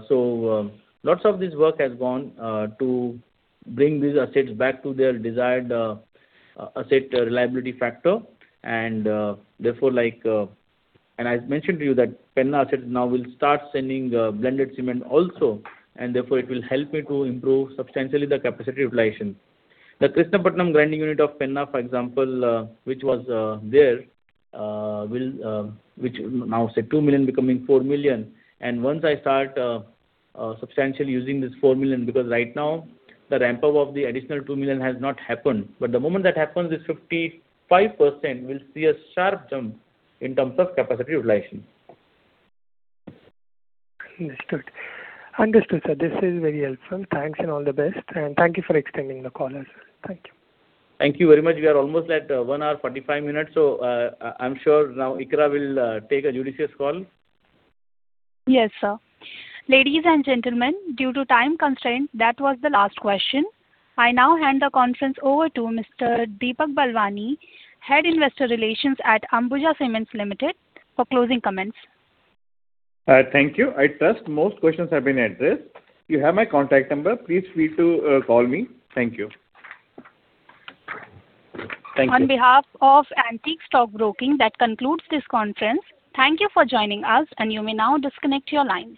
So, lots of this work has gone to bring these assets back to their desired asset reliability factor. I mentioned to you that Penna asset now will start sending blended cement also, and therefore, it will help me to improve substantially the capacity utilization. The Krishnapatnam grinding unit of Penna, for example, which now, say, 2 million becoming 4 million. Once I start substantially using this 4 million, because right now, the ramp-up of the additional 2 million has not happened. But the moment that happens, this 55% will see a sharp jump in terms of capacity utilization. Understood. Understood, sir. This is very helpful. Thanks, and all the best, and thank you for extending the call as well. Thank you. Thank you very much. We are almost at 1 hour, 45 minutes, so, I'm sure now Ikra will take a judicious call. Yes, sir. Ladies and gentlemen, due to time constraint, that was the last question. I now hand the conference over to Mr. Deepak Balwani, Head Investor Relations at Ambuja Cements Limited, for closing comments. Thank you. I trust most questions have been addressed. You have my contact number. Please feel free to call me. Thank you. Thank you. On behalf of Antique Stock Broking, that concludes this conference. Thank you for joining us, and you may now disconnect your lines.